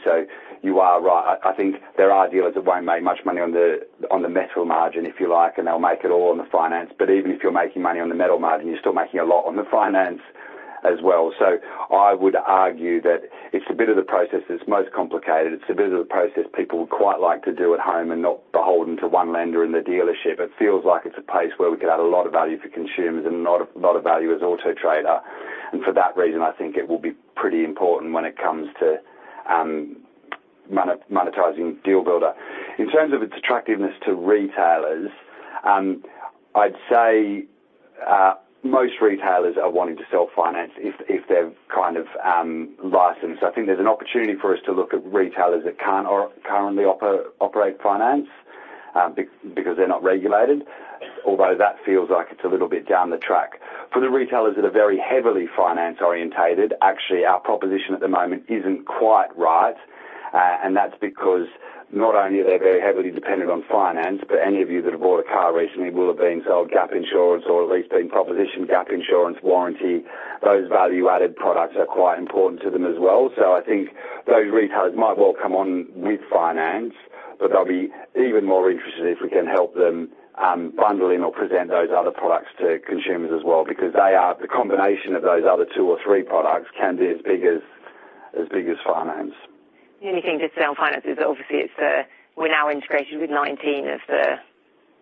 You are right. I think there are dealers that won't make much money on the metal margin, if you like, and they'll make it all on the finance. Even if you're making money on the metal margin, you're still making a lot on the finance as well. I would argue that it's a bit of the process that's most complicated. It's a bit of the process people would quite like to do at home and not beholden to one lender in the dealership. It feels like it's a place where we could add a lot of value for consumers and a lot of value as Auto Trader. For that reason, I think it will be pretty important when it comes to monetizing Deal Builder. In terms of its attractiveness to retailers, I'd say most retailers are wanting to sell finance if they're kind of licensed. I think there's an opportunity for us to look at retailers that can't or currently operate finance, because they're not regulated, although that feels like it's a little bit down the track. For the retailers that are very heavily finance-orientated, actually, our proposition at the moment isn't quite right. That's because not only are they very heavily dependent on finance, but any of you that have bought a car recently will have been sold GAP insurance or at least been propositioned GAP insurance warranty. Those value-added products are quite important to them as well. I think those retailers might well come on with finance, but they'll be even more interested if we can help them bundle in or present those other products to consumers as well, because the combination of those other two or three products can be as big as finance. The only thing to sell finance is obviously. We're now integrated with 19 of the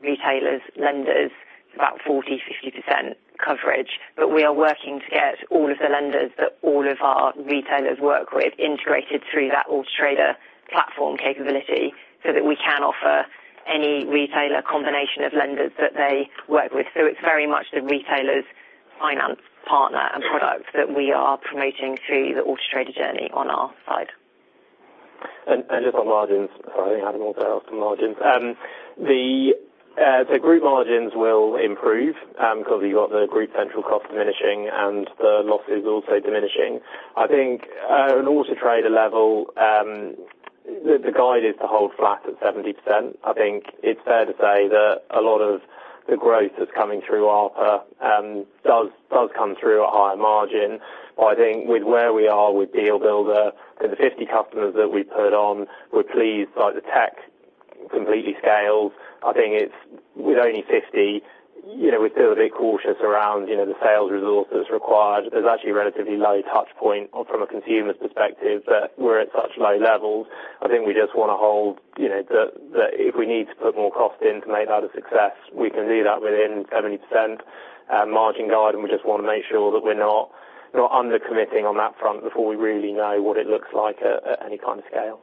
retailers, lenders. It's about 40%-50% coverage. We are working to get all of the lenders that all of our retailers work with integrated through that Auto Trader platform capability, so that we can offer any retailer combination of lenders that they work with. It's very much the retailer's finance partner and product that we are promoting through the Auto Trader journey on our side. Just on margins, I think I had more to ask on margins. The group margins.... improve because you've got the group central cost diminishing and the losses also diminishing. I think at an Auto Trader level, the guide is to hold flat at 70%. I think it's fair to say that a lot of the growth that's coming through ARPA does come through at higher margin. I think with where we are with Deal Builder, the 50 customers that we put on, we're pleased by the tech, completely scales. It's with only 50, we're still a bit cautious around, the sales resources required. There's actually a relatively low touch point from a consumer's perspective, but we're at such low levels. We just want to hold, If we need to put more cost in to make that a success, we can do that within 70% margin guide, and we just want to make sure that we're not under committing on that front before we really know what it looks like at any kind of scale.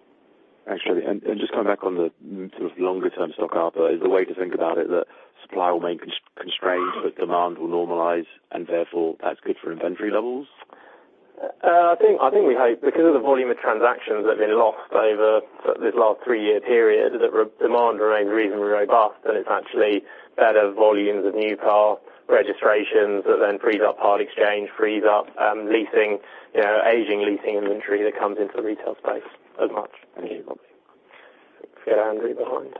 Actually, just coming back on the sort of longer term stock ARPA, is the way to think about it, that supply will remain constrained, but demand will normalize and therefore that's good for inventory levels? I think we hope because of the volume of transactions that have been lost over this last three-year period, that demand remains reasonably robust. It's actually better volumes of new car registrations that then frees up part exchange, frees up, leasing, aging leasing inventory that comes into the retail space as much. Thank you. Let's get Andrew behind.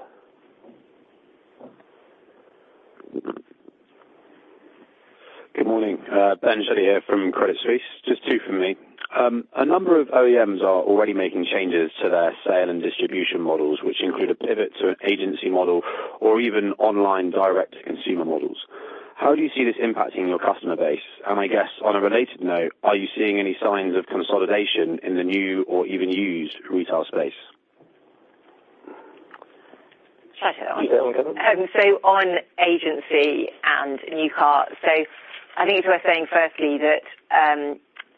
Good morning, Ben Shelley here from Credit Suisse. Just two from me. A number of OEMs are already making changes to their sale and distribution models, which include a pivot to an agency model or even online direct to consumer models. How do you see this impacting your customer base? I guess on a related note, are you seeing any signs of consolidation in the new or even used retail space? Should I take that one? You take it. On agency and new cars. I think it's worth saying firstly, that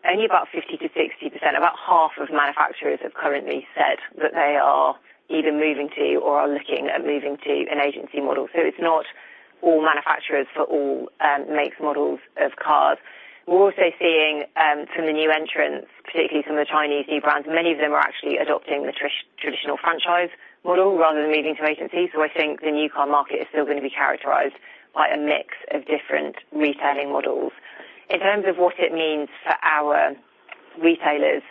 only about 50%-60%, about half of manufacturers have currently said that they are either moving to or are looking at moving to an agency model. It's not all manufacturers for all makes, models of cars. We're also seeing some of the new entrants, particularly some of the Chinese new brands, many of them are actually adopting the traditional franchise model rather than moving to agency. I think the new car market is still going to be characterized by a mix of different retailing models. In terms of what it means for our retailers,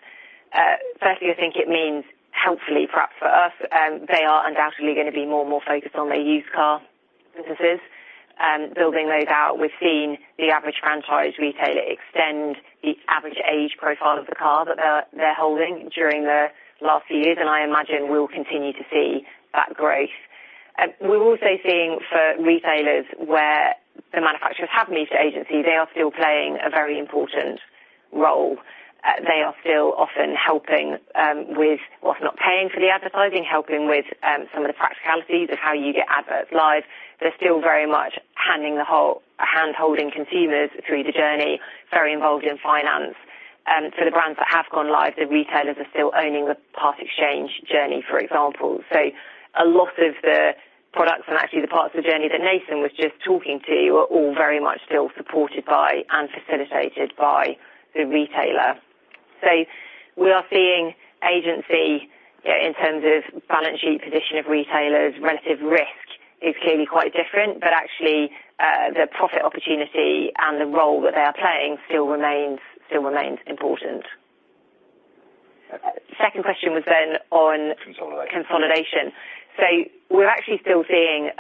firstly, I think it means helpfully, perhaps for us, they are undoubtedly going to be more and more focused on their used car businesses. Building those out, we've seen the average franchise retailer extend the average age profile of the car that they're holding during the last few years, and I imagine we'll continue to see that growth. We're also seeing for retailers, where the manufacturers have moved to agency, they are still playing a very important role. They are still often helping with what's not paying for the advertising, helping with some of the practicalities of how you get adverts live. They're still very much handholding consumers through the journey, very involved in finance. The brands that have gone live, the retailers are still owning the part exchange journey, for example. A lot of the products and actually the parts of the journey that Nathan was just talking to you, are all very much still supported by and facilitated by the retailer. We are seeing agency, in terms of balance sheet position of retailers, relative risk is clearly quite different, but actually, the profit opportunity and the role that they are playing still remains important. Second question was on- Consolidation. - consolidation. We're actually still seeing,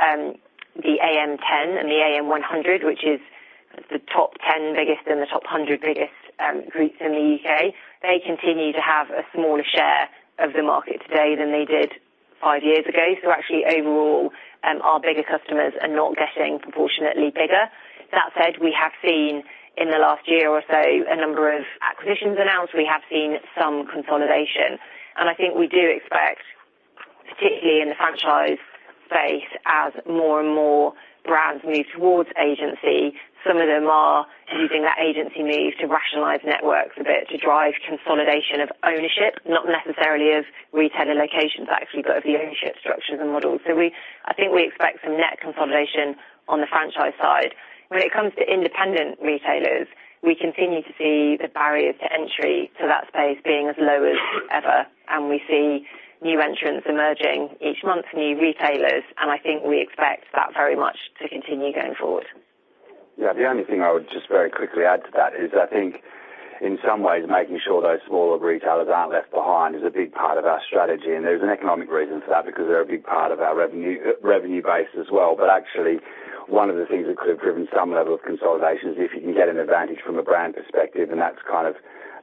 the AM10 and the AM100, which is the top 10 biggest and the top 100 biggest, groups in the U.K. They continue to have a smaller share of the market today than they did five years ago. Actually overall, our bigger customers are not getting proportionately bigger. That said, we have seen in the last year or so, a number of acquisitions announced. We have seen some consolidation, and I think we do expect, particularly in the franchise space, as more and more brands move towards agency, some of them are using that agency move to rationalize networks a bit, to drive consolidation of ownership, not necessarily of retailer locations, actually, but of the ownership structures and models. I think we expect some net consolidation on the franchise side. When it comes to independent retailers, we continue to see the barriers to entry to that space being as low as ever. We see new entrants emerging each month, new retailers. I think we expect that very much to continue going forward. Yeah. The only thing I would just very quickly add to that is, I think in some ways, making sure those smaller retailers aren't left behind is a big part of our strategy. There's an economic reason for that, because they're a big part of our revenue base as well. Actually, one of the things that could have driven some level of consolidation is if you can get an advantage from a brand perspective.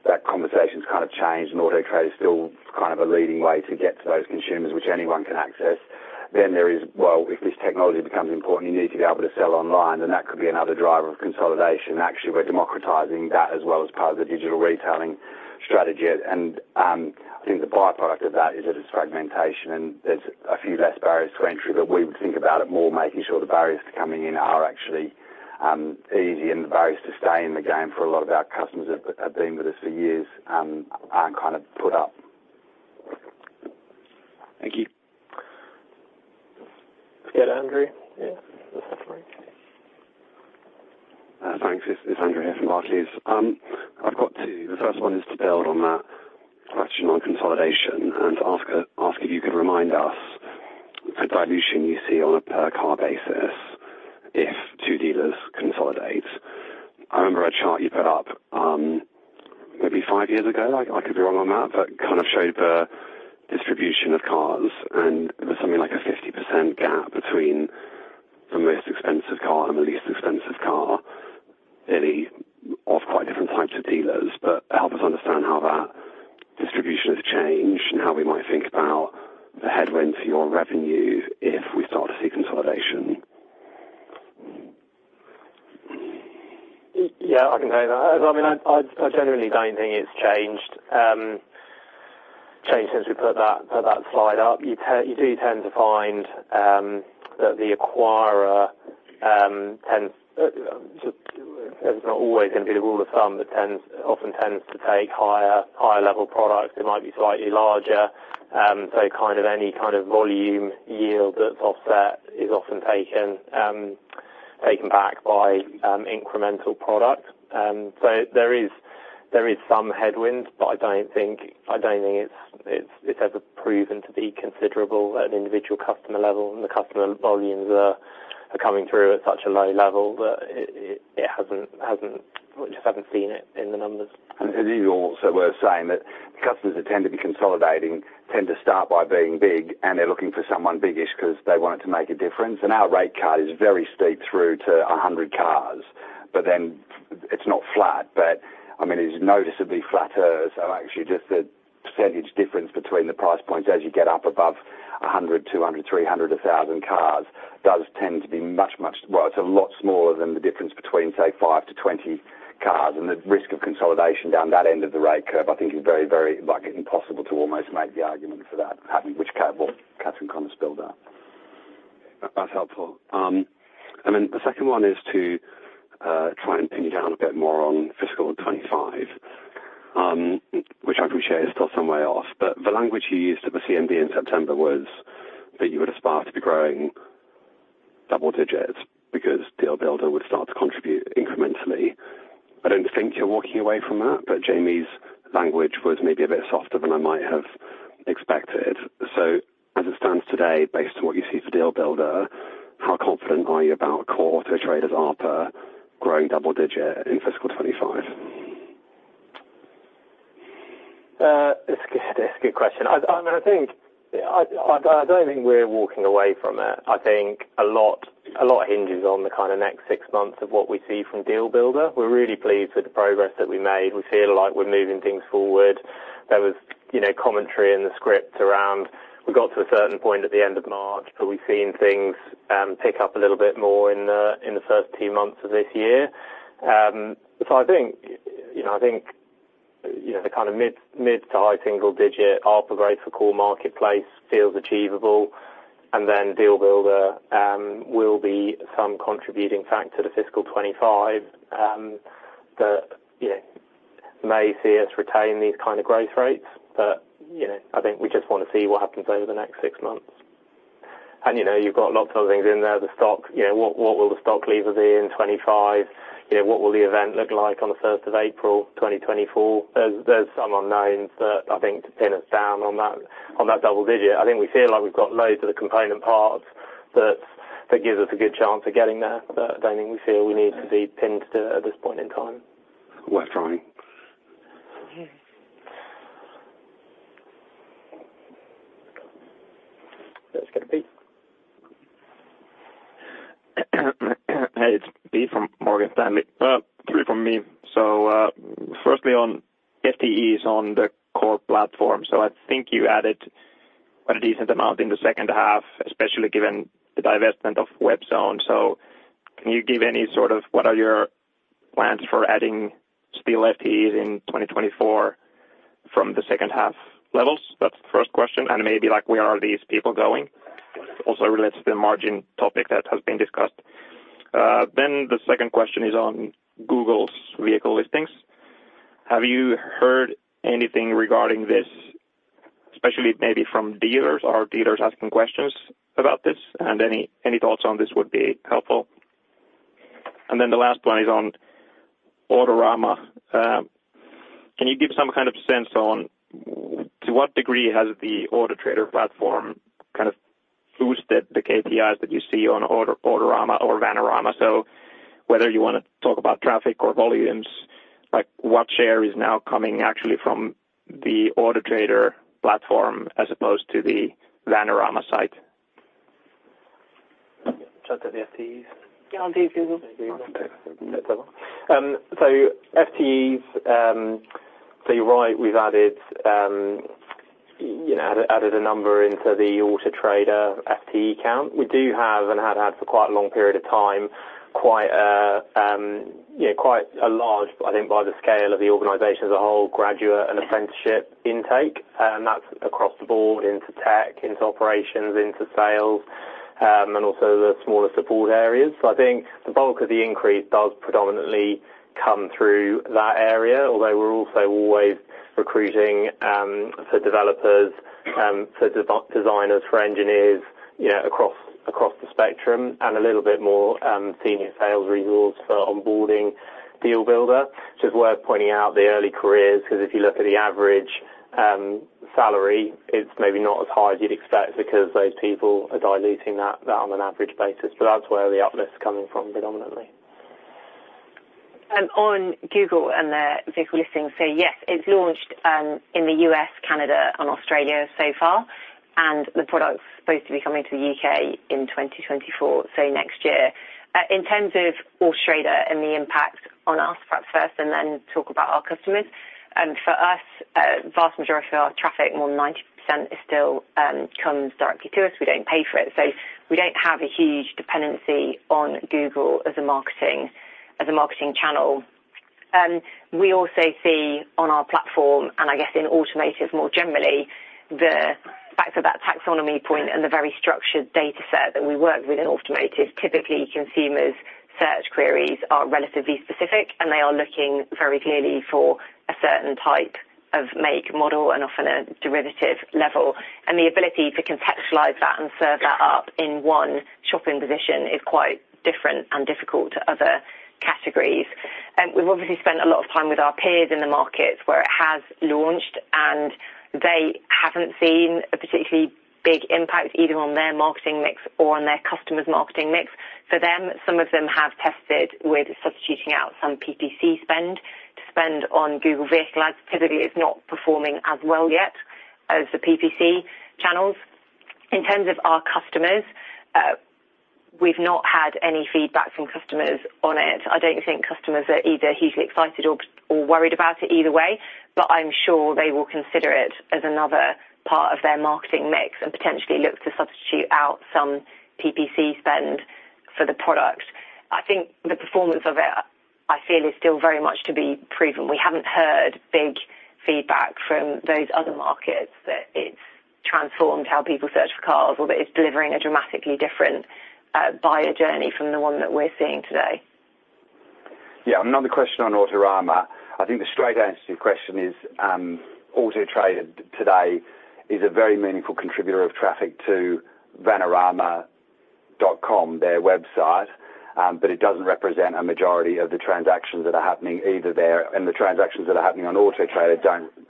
That conversation's kind of changed, and Auto Trader is still kind of a leading way to get to those consumers, which anyone can access. There is, well, if this technology becomes important, you need to be able to sell online, and that could be another driver of consolidation. Actually, we're democratizing that as well as part of the digital retailing strategy. I think the byproduct of that is that it's fragmentation and there's a few less barriers to entry, but we would think about it more, making sure the barriers to coming in are actually easy, and the barriers to stay in the game for a lot of our customers that have been with us for years, aren't kind of put up. Thank you. Let's get Andrew. Yeah, this is great. Thanks. It's Andrew here from Barclays. I've got two. The first one is to build on that question on consolidation, and ask if you could remind us the dilution you see on a per car basis if two dealers consolidate. I remember a chart you put up, maybe five years ago, I could be wrong on that, but kind of showed the distribution of cars, and it was something like a 50% gap between the most expensive car and the least expensive car, really of quite different types of dealers. Help us understand how that distribution has changed, and how we might think about the headwind to your revenue if we start to see consolidation. Yeah, I can tell you that. I mean, I generally don't think it's changed since we put that slide up. You do tend to find that the acquirer tends. It's not always going to be the rule of thumb, but often tends to take higher level products. It might be slightly larger, so kind of any kind of volume yield that's offset is often taken back by incremental product. There is some headwind, but I don't think it's ever proven to be considerable at an individual customer level, and the customer volumes are coming through at such a low level that it hasn't. We just haven't seen it in the numbers. It is also worth saying that the customers that tend to be consolidating, tend to start by being big, and they're looking for someone biggish, 'cause they want it to make a difference. Our rate card is very steep through to 100 cars. It's not flat, but, I mean, it's noticeably flatter. Actually, just the percentage difference between the price points as you get up above 100, 200, 300, 1,000 cars, does tend to be much. Well, it's a lot smaller than the difference between, say, five to 20 cars. The risk of consolidation down that end of the rate curve, I think is very, very, like, impossible to almost make the argument for that happening, which Catherine kind of spilled that. That's helpful. The second one is to try and pin you down a bit more on fiscal 25, which I appreciate is still some way off, but the language you used at the CMD in September was that you would aspire to be growing double digits, because Deal Builder would start to contribute incrementally. I don't think you're walking away from that, but Jamie's language was maybe a bit softer than I might have expected. As it stands today, based on what you see for Deal Builder, how confident are you about core Auto Trader's ARPA growing double digit in fiscal 25? That's a good question. I mean, I think I don't think we're walking away from it. I think a lot hinges on the kind of next six months of what we see from Deal Builder. We're really pleased with the progress that we made. We feel like we're moving things forward. There was commentary in the script around, we got to a certain point at the end of March. We've seen things pick up a little bit more in the first two months of this year. The kind of mid to high single-digit ARPA growth for core marketplace feels achievable, and then Deal Builder will be some contributing factor to fiscal 25. That may see us retain these kind of growth rates. I think we just want to see what happens over the next six months. You've got lots of other things in there. What will the stock level be in 25? What will the event look like on the 1 April 2024? There's some unknowns that I think to pin us down on that, on that double digit. I think we feel like we've got loads of the component parts that gives us a good chance of getting there, but I don't think we feel we need to be pinned to it at this point in time. Worth trying. Let's go to Pete. Hey, it's Pete from Morgan Stanley. Three from me. Firstly, on FTEs on the core platform. You added quite a decent amount in the second half, especially given the divestment of WebZone. Can you give any sort of, what are your plans for adding still FTEs in 2024 from the second half levels? That's the first question, maybe, like, where are these people going? Also relates to the margin topic that has been discussed. The second question is on Google's vehicle listings. Have you heard anything regarding this, especially maybe from dealers? Are dealers asking questions about this? Any thoughts on this would be helpful. The last one is on Autorama. Can you give some kind of sense on to what degree has the Auto Trader platform kind of boosted the KPIs that you see on Autorama or Vanarama? Whether you want to talk about traffic or volumes, like, what share is now coming actually from the Auto Trader platform, as opposed to the Vanarama site? Do you want to the FTEs? Yeah, on the FTEs. FTEs, you're right, we've added a number into the Auto Trader FTE count. We do have, and have had for quite a long period of time, quite a large, I think by the scale of the organization as a whole, graduate and apprenticeship intake, that's across the board into tech, into operations, into sales, and also the smaller support areas. I think the bulk of the increase does predominantly.... come through that area, although we're also always recruiting for developers, for designers, for engineers, across the spectrum, and a little bit more senior sales resource for onboarding Deal Builder. Just worth pointing out the early careers, because if you look at the average salary, it's maybe not as high as you'd expect because those people are diluting that on an average basis, but that's where the uplift's coming from, predominantly. On Google and their vehicle listings, yes, it's launched in the U.S., Canada and Australia so far, and the product's supposed to be coming to the U.K. in 2024, so next year. In terms of Australia and the impact on us, perhaps first, and then talk about our customers. For us, a vast majority of our traffic, more than 90%, is still comes directly to us. We don't pay for it. We don't have a huge dependency on Google as a marketing channel. We also see on our platform, and I guess in automotive more generally, the fact of that Vehicle Taxonomy point and the very structured data set that we work with in automotive, typically, consumers' search queries are relatively specific, and they are looking very clearly for a certain type of make, model, and often a derivative level. The ability to contextualize that and serve that up in one shopping position is quite different and difficult to other categories. We've obviously spent a lot of time with our peers in the markets where it has launched, and they haven't seen a particularly big impact, either on their marketing mix or on their customers' marketing mix. For them, some of them have tested with substituting out some PPC spend to spend on Google Vehicle Listing Ads. Typically, it's not performing as well yet as the PPC channels. In terms of our customers, we've not had any feedback from customers on it. I don't think customers are either hugely excited or worried about it either way, but I'm sure they will consider it as another part of their marketing mix and potentially look to substitute out some PPC spend for the product. I think the performance of it, I feel, is still very much to be proven. We haven't heard big feedback from those other markets, that it's transformed how people search for cars, or that it's delivering a dramatically different buyer journey from the one that we're seeing today. Yeah, another question on Autorama. I think the straight answer to your question is, Auto Trader today is a very meaningful contributor of traffic to vanarama.com, their website, but it doesn't represent a majority of the transactions that are happening either there, and the transactions that are happening on Auto Trader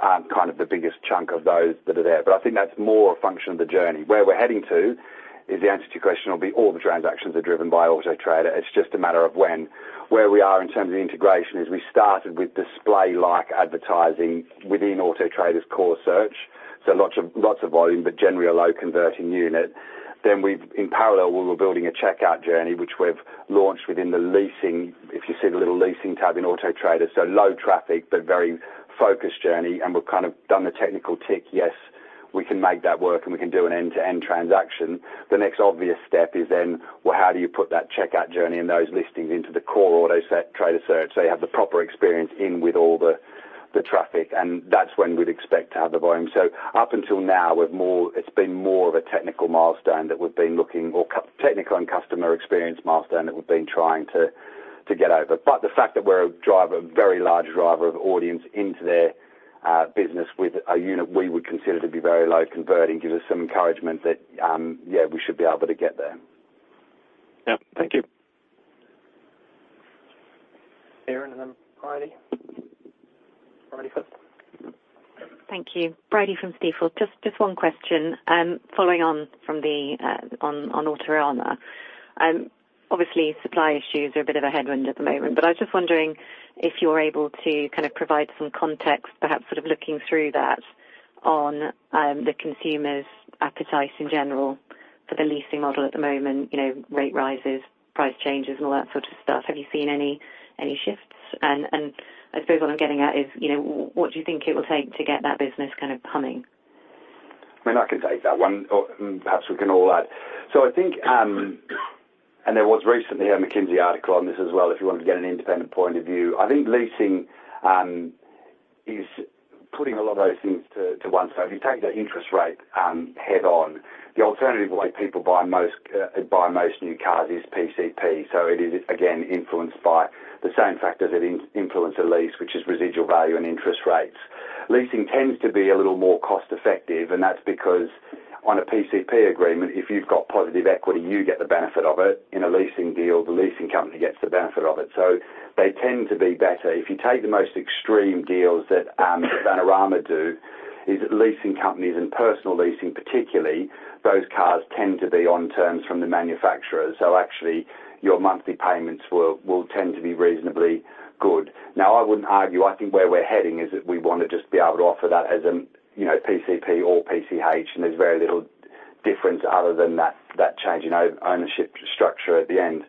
aren't kind of the biggest chunk of those that are there. I think that's more a function of the journey. Where we're heading to, is the answer to your question, will be all the transactions are driven by Auto Trader. It's just a matter of when. Where we are in terms of the integration is, we started with display-like advertising within Auto Trader's core search, so lots of, lots of volume, but generally a low-converting unit. In parallel, we were building a checkout journey, which we've launched within the leasing, if you see the little leasing tab in Auto Trader, so low traffic, but very focused journey, and we've kind of done the technical tick. Yes, we can make that work, and we can do an end-to-end transaction. The next obvious step is then, well, how do you put that checkout journey and those listings into the core Auto Trader search, so you have the proper experience in with all the traffic? That's when we'd expect to have the volume. Up until now, it's been more of a technical milestone that we've been looking. Or technical and customer experience milestone that we've been trying to get over. The fact that we're a driver, very large driver of audience into their business with a unit we would consider to be very low converting, gives us some encouragement that, yeah, we should be able to get there. Yeah. Thank you. Aaron and then Brady. Brady first. Thank you. Brady from Stifel. Just one question, following on from the on Autorama. Obviously, supply issues are a bit of a headwind at the moment, but I was just wondering if you're able to kind of provide some context, perhaps sort of looking through that, on the consumer's appetite in general for the leasing model at the moment, rate rises, price changes, and all that sort of stuff. Have you seen any shifts? I suppose what I'm getting at is, what do you think it will take to get that business kind of humming? I mean, I can take that one, or perhaps we can all add. I think, and there was recently a McKinsey article on this as well, if you wanted to get an independent point of view. I think leasing is putting a lot of those things to one side. If you take the interest rate head-on, the alternative way people buy most new cars is PCP, so it is, again, influenced by the same factors that influence a lease, which is residual value and interest rates. Leasing tends to be a little more cost effective, and that's because on a PCP agreement, if you've got positive equity, you get the benefit of it. In a leasing deal, the leasing company gets the benefit of it. They tend to be better. If you take the most extreme deals that Vanarama do, is that leasing companies and personal leasing, particularly, those cars tend to be on terms from the manufacturer. Actually, your monthly payments will tend to be reasonably good. I wouldn't argue, I think where we're heading is that we want to just be able to offer that as an, PCP or PCH, and there's very little difference other than that change in ownership structure at the end.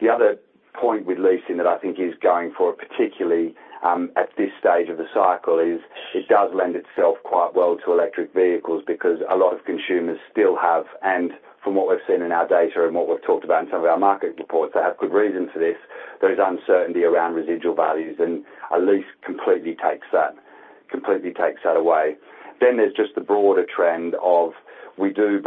The other point with leasing that I think is going for, particularly, at this stage of the cycle is, it does lend itself quite well to electric vehicles, because a lot of consumers still have, and from what we've seen in our data and what we've talked about in some of our market reports, they have good reason for this, there's uncertainty around residual values, and a lease completely takes that away. There's just the broader trend of we don't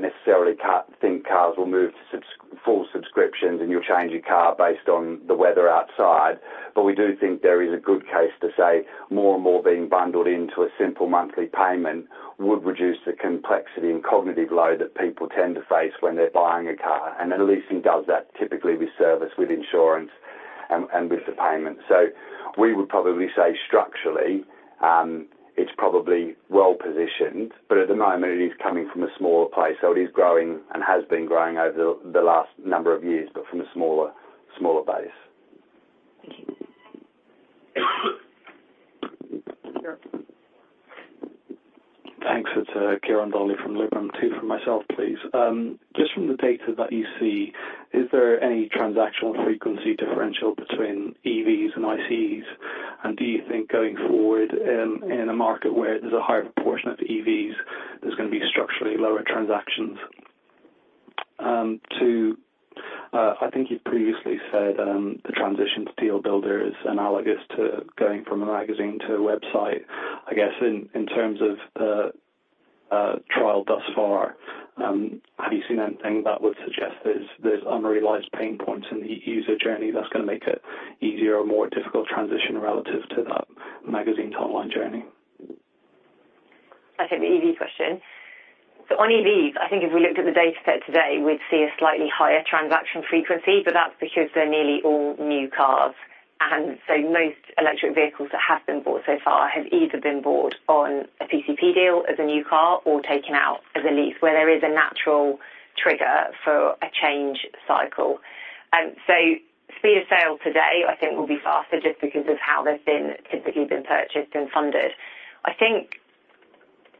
necessarily think cars will move to full subscriptions, and you'll change your car based on the weather outside. We do think there is a good case to say more and more being bundled into a simple monthly payment would reduce the complexity and cognitive load that people tend to face when they're buying a car, and then leasing does that typically with service, with insurance, and with the payment. We would probably say structurally, it's probably well-positioned, but at the moment it is coming from a smaller place, it is growing and has been growing over the last number of years, but from a smaller base. Thank you. Thanks. It's Ciaran Donnelly from Liberum. Two from myself, please. Just from the data that you see, is there any transactional frequency differential between EVs and ICEs? Do you think going forward, in a market where there's a higher proportion of EVs, there's gonna be structurally lower transactions? Two, I think you previously said, the transition to Deal Builder is analogous to going from a magazine to a website. I guess in terms of the trial thus far, have you seen anything that would suggest there's unrealized pain points in the user journey that's gonna make it easier or more difficult transition relative to that magazine to online journey? I'll take the EV question. On EVs, I think if we looked at the dataset today, we'd see a slightly higher transaction frequency, but that's because they're nearly all new cars. Most electric vehicles that have been bought so far have either been bought on a PCP deal as a new car or taken out as a lease, where there is a natural trigger for a change cycle. Speed of sale today, I think, will be faster just because of how they've been typically been purchased and funded. I think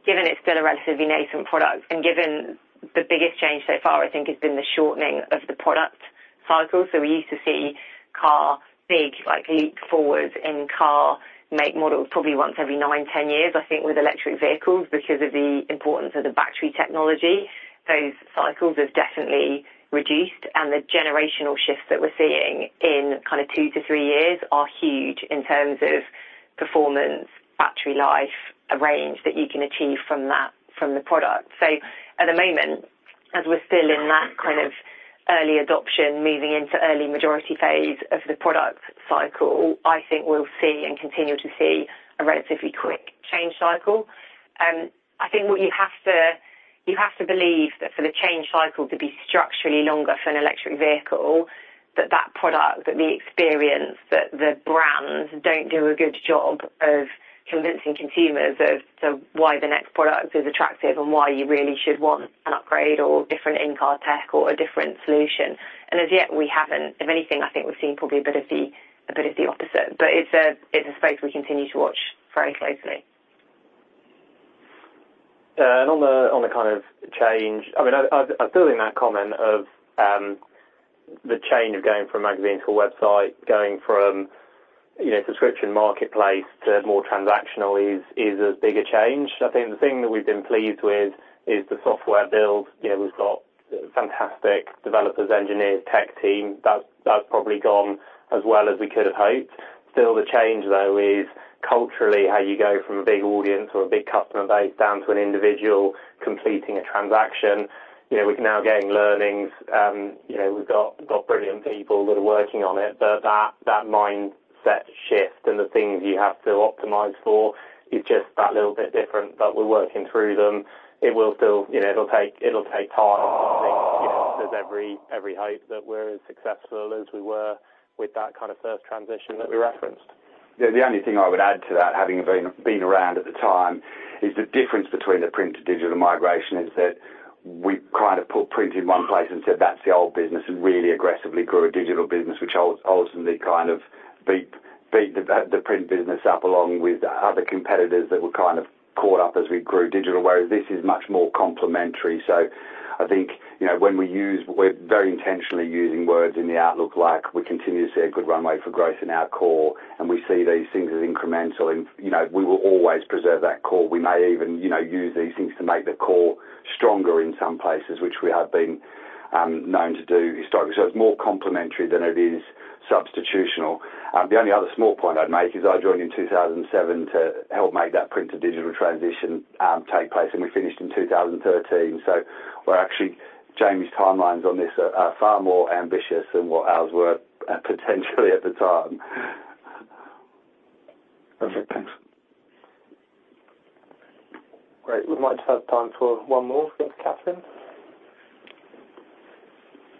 given it's still a relatively nascent product and given the biggest change so far, I think, has been the shortening of the product cycle. We used to see car big, like, leap forwards in car make models probably once every nine, 10 years. I think with electric vehicles, because of the importance of the battery technology, those cycles have definitely reduced, and the generational shifts that we're seeing in kind of two to three years are huge in terms of performance, battery life, a range that you can achieve from that, from the product. At the moment, as we're still in that kind of early adoption, moving into early majority phase of the product cycle, I think we'll see and continue to see a relatively quick change cycle. I think what you have to believe that for the change cycle to be structurally longer for an electric vehicle, that that product, that the experience, that the brands don't do a good job of convincing consumers as to why the next product is attractive and why you really should want an upgrade or different in-car tech or a different solution. As yet, we haven't. If anything, I think we've seen probably a bit of the opposite, but it's a space we continue to watch very closely. On the kind of change, I still in that comment of the change of going from magazine to a website, going from, subscription marketplace to more transactional is a bigger change. The thing that we've been pleased with is the software build. We've got fantastic developers, engineers, tech team. That's probably gone as well as we could have hoped. Still, the change, though, is culturally, how you go from a big audience or a big customer base down to an individual completing a transaction, we're now getting learnings. We've got brilliant people that are working on it, but that mindset shift and the things you have to optimize for is just that little bit different, but we're working through them. It will still take time, as every hope that we're as successful as we were with that kind of first transition that we referenced. Yeah, the only thing I would add to that, having been around at the time, is the difference between the print to digital migration is that we kind of put print in one place and said, "That's the old business," and really aggressively grew a digital business, which ultimately kind of beat the print business up, along with other competitors that were kind of caught up as we grew digital, whereas this is much more complementary. When we use... We're very intentionally using words in the outlook, like we continue to see a good runway for growth in our core, and we see these things as incremental. We will always preserve that core. We may even use these things to make the core stronger in some places which we have been known to do historically. It's more complementary than it is substitutional. The only other small point I'd make is I joined in 2007 to help make that print to digital transition take place, and we finished in 2013. We're actually, Jamie's timelines on this are far more ambitious than what ours were, potentially at the time. Perfect. Thanks. Great. We might just have time for one more. Thanks, Catherine.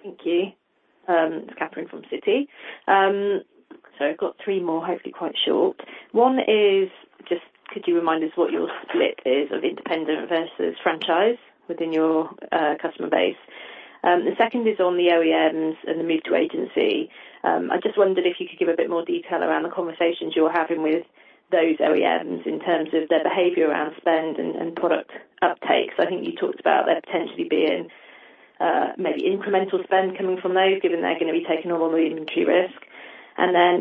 Thank you. Catherine from Citi. I've got three more, hopefully, quite short. One is just could you remind us what your split is of independent versus franchise within your customer base? The second is on the OEMs and the move to agency. I just wondered if you could give a bit more detail around the conversations you're having with those OEMs in terms of their behavior around spend and product uptake. You talked about there potentially being, maybe incremental spend coming from those, given they're gonna be taking on all the inventory risk.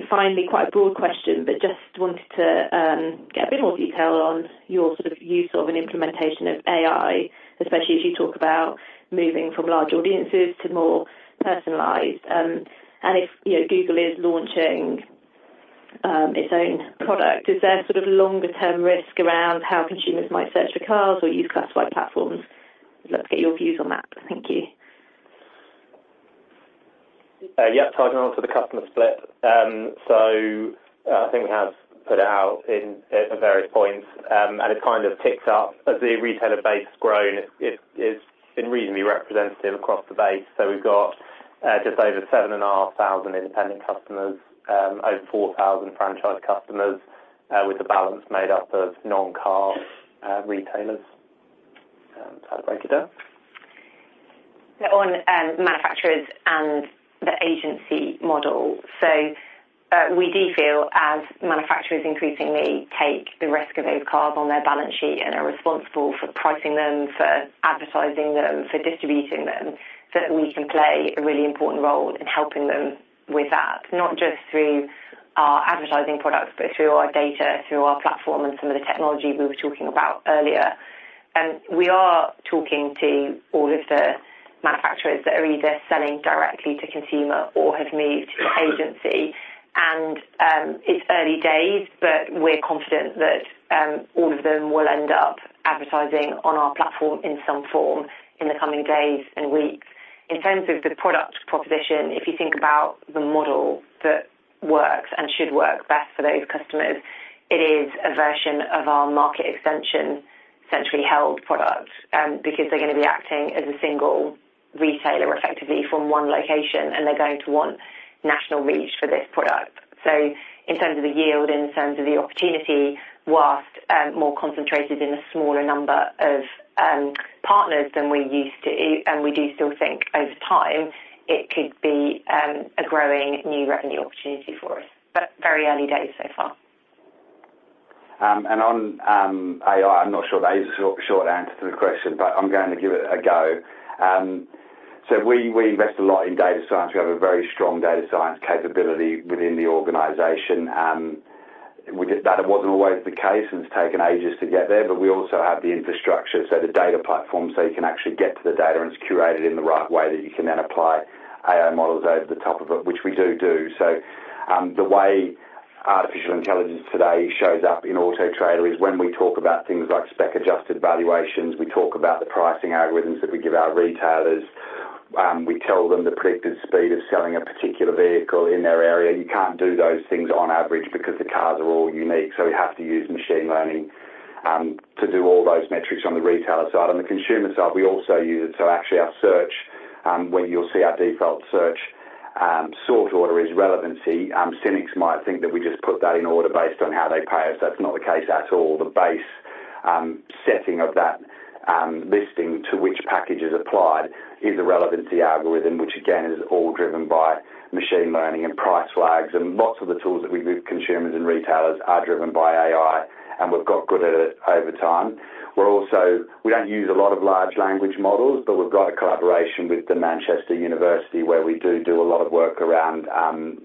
Finally, quite a broad question, but just wanted to get a bit more detail on your sort of use of and implementation of AI, especially as you talk about moving from large audiences to more personalized. Google is launching its own product. Is there sort of longer term risk around how consumers might search for cars or use classified platforms? I'd love to get your views on that. Thank you. Yeah, I can answer the customer split. We have put it out in, at various points, it kind of ticks up. As the retailer base has grown, it's been reasonably representative across the base. We've got just over 7,500 independent customers, over 4,000 franchise customers, with the balance made up of non-car retailers. Does that break it down? On manufacturers and the agency model. We do feel as manufacturers increasingly take the risk of those cars on their balance sheet and are responsible for pricing them, for advertising them, for distributing them, that we can play a really important role in helping them with that. Not just through our advertising products, but through our data, through our platform, and some of the technology we were talking about earlier. We are talking to all of the manufacturers that are either selling directly to consumer or have moved to agency. It's early days, but we're confident that all of them will end up advertising on our platform in some form in the coming days and weeks. In terms of the product proposition, if you think about the model that works and should work best for those customers, it is a version of our Market Extension, centrally held product. Because they're going to be acting as a single retailer, effectively, from one location, and they're going to want national reach for this product. In terms of the yield, in terms of the opportunity, whilst more concentrated in a smaller number of partners than we used to, and we do still think over time, it could be a growing new revenue opportunity for us, but very early days so far. On AI, I'm not sure that is a short answer to the question, but I'm going to give it a go. We, we invest a lot in data science. We have a very strong data science capability within the organization. That it wasn't always the case, and it's taken ages to get there, but we also have the infrastructure, the data platform, so you can actually get to the data, and it's curated in the right way, that you can then apply AI models over the top of it, which we do. The way artificial intelligence today shows up in Auto Trader is when we talk about things like spec-adjusted valuations, we talk about the pricing algorithms that we give our retailers. We tell them the predicted speed of selling a particular vehicle in their area. You can't do those things on average because the cars are all unique, so we have to use machine learning to do all those metrics on the retailer side. On the consumer side, we also use it. Actually, our search, when you'll see our default search, sort order is relevancy. Cynics might think that we just put that in order based on how they pay us. That's not the case at all. The base setting of that listing to which package is applied is a relevancy algorithm, which again, is all driven by machine learning and Price Flags. Lots of the tools that we give consumers and retailers are driven by AI, and we've got good at it over time. We don't use a lot of large language models, but we've got a collaboration with The University of Manchester, where we do a lot of work around natural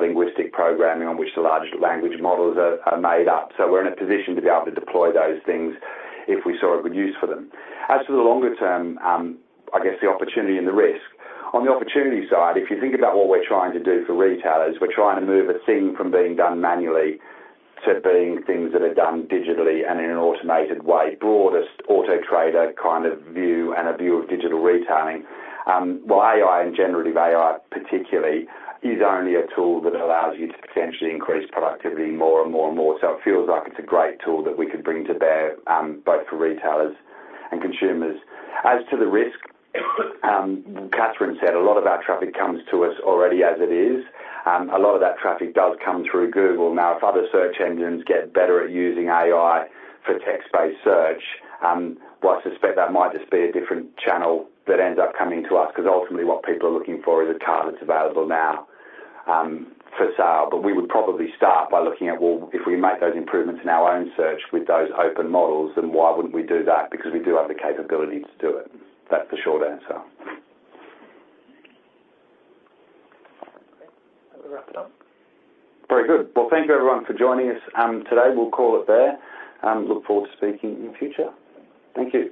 language processing, on which the large language models are made up. We're in a position to be able to deploy those things if we saw a good use for them. As for the longer term, I guess the opportunity and the risk. On the opportunity side, if you think about what we're trying to do for retailers, we're trying to move a thing from being done manually to being things that are done digitally and in an automated way, broadest Auto Trader kind of view and a view of digital retailing. Well, AI and generative AI, particularly, is only a tool that allows you to potentially increase productivity more, and more, and more. It feels like it's a great tool that we could bring to bear, both for retailers and consumers. As to the risk, Catherine said a lot of our traffic comes to us already as it is. A lot of that traffic does come through Google. If other search engines get better at using AI for text-based search, well, I suspect that might just be a different channel that ends up coming to us because ultimately what people are looking for is a car that's available now, for sale. We would probably start by looking at, well, if we make those improvements in our own search with those open models, why wouldn't we do that? We do have the capability to do it. That's the short answer. Okay. We'll wrap it up. Very good. Well, thank you, everyone, for joining us today. We'll call it there. Look forward to speaking in future. Thank you.